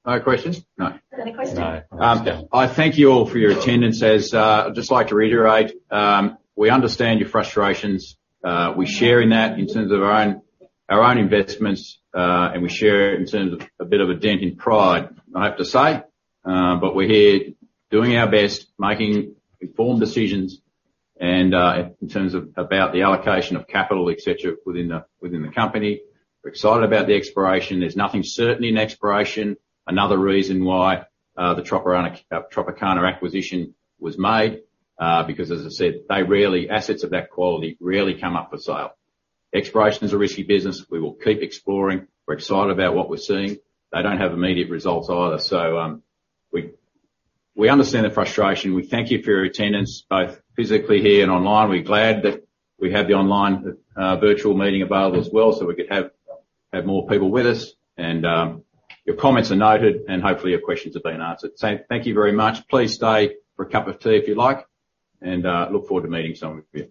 No questions? No. Any questions? No. I thank you all for your attendance. I'd just like to reiterate, we understand your frustrations. We share in that in terms of our own investments, and we share it in terms of a bit of a dent in pride, I have to say. We're here doing our best, making informed decisions and in terms of about the allocation of capital, etc., within the company. We're excited about the exploration. There's nothing certain in exploration. Another reason why the Tropicana acquisition was made, because as I said, assets of that quality rarely come up for sale. Exploration is a risky business. We will keep exploring. We're excited about what we're seeing. They don't have immediate results either. We understand the frustration. We thank you for your attendance, both physically here and online. We're glad that we have the online, virtual meeting available as well, so we could have more people with us. Your comments are noted, and hopefully your questions have been answered. Thank you very much. Please stay for a cup of tea if you'd like, and look forward to meeting some of you.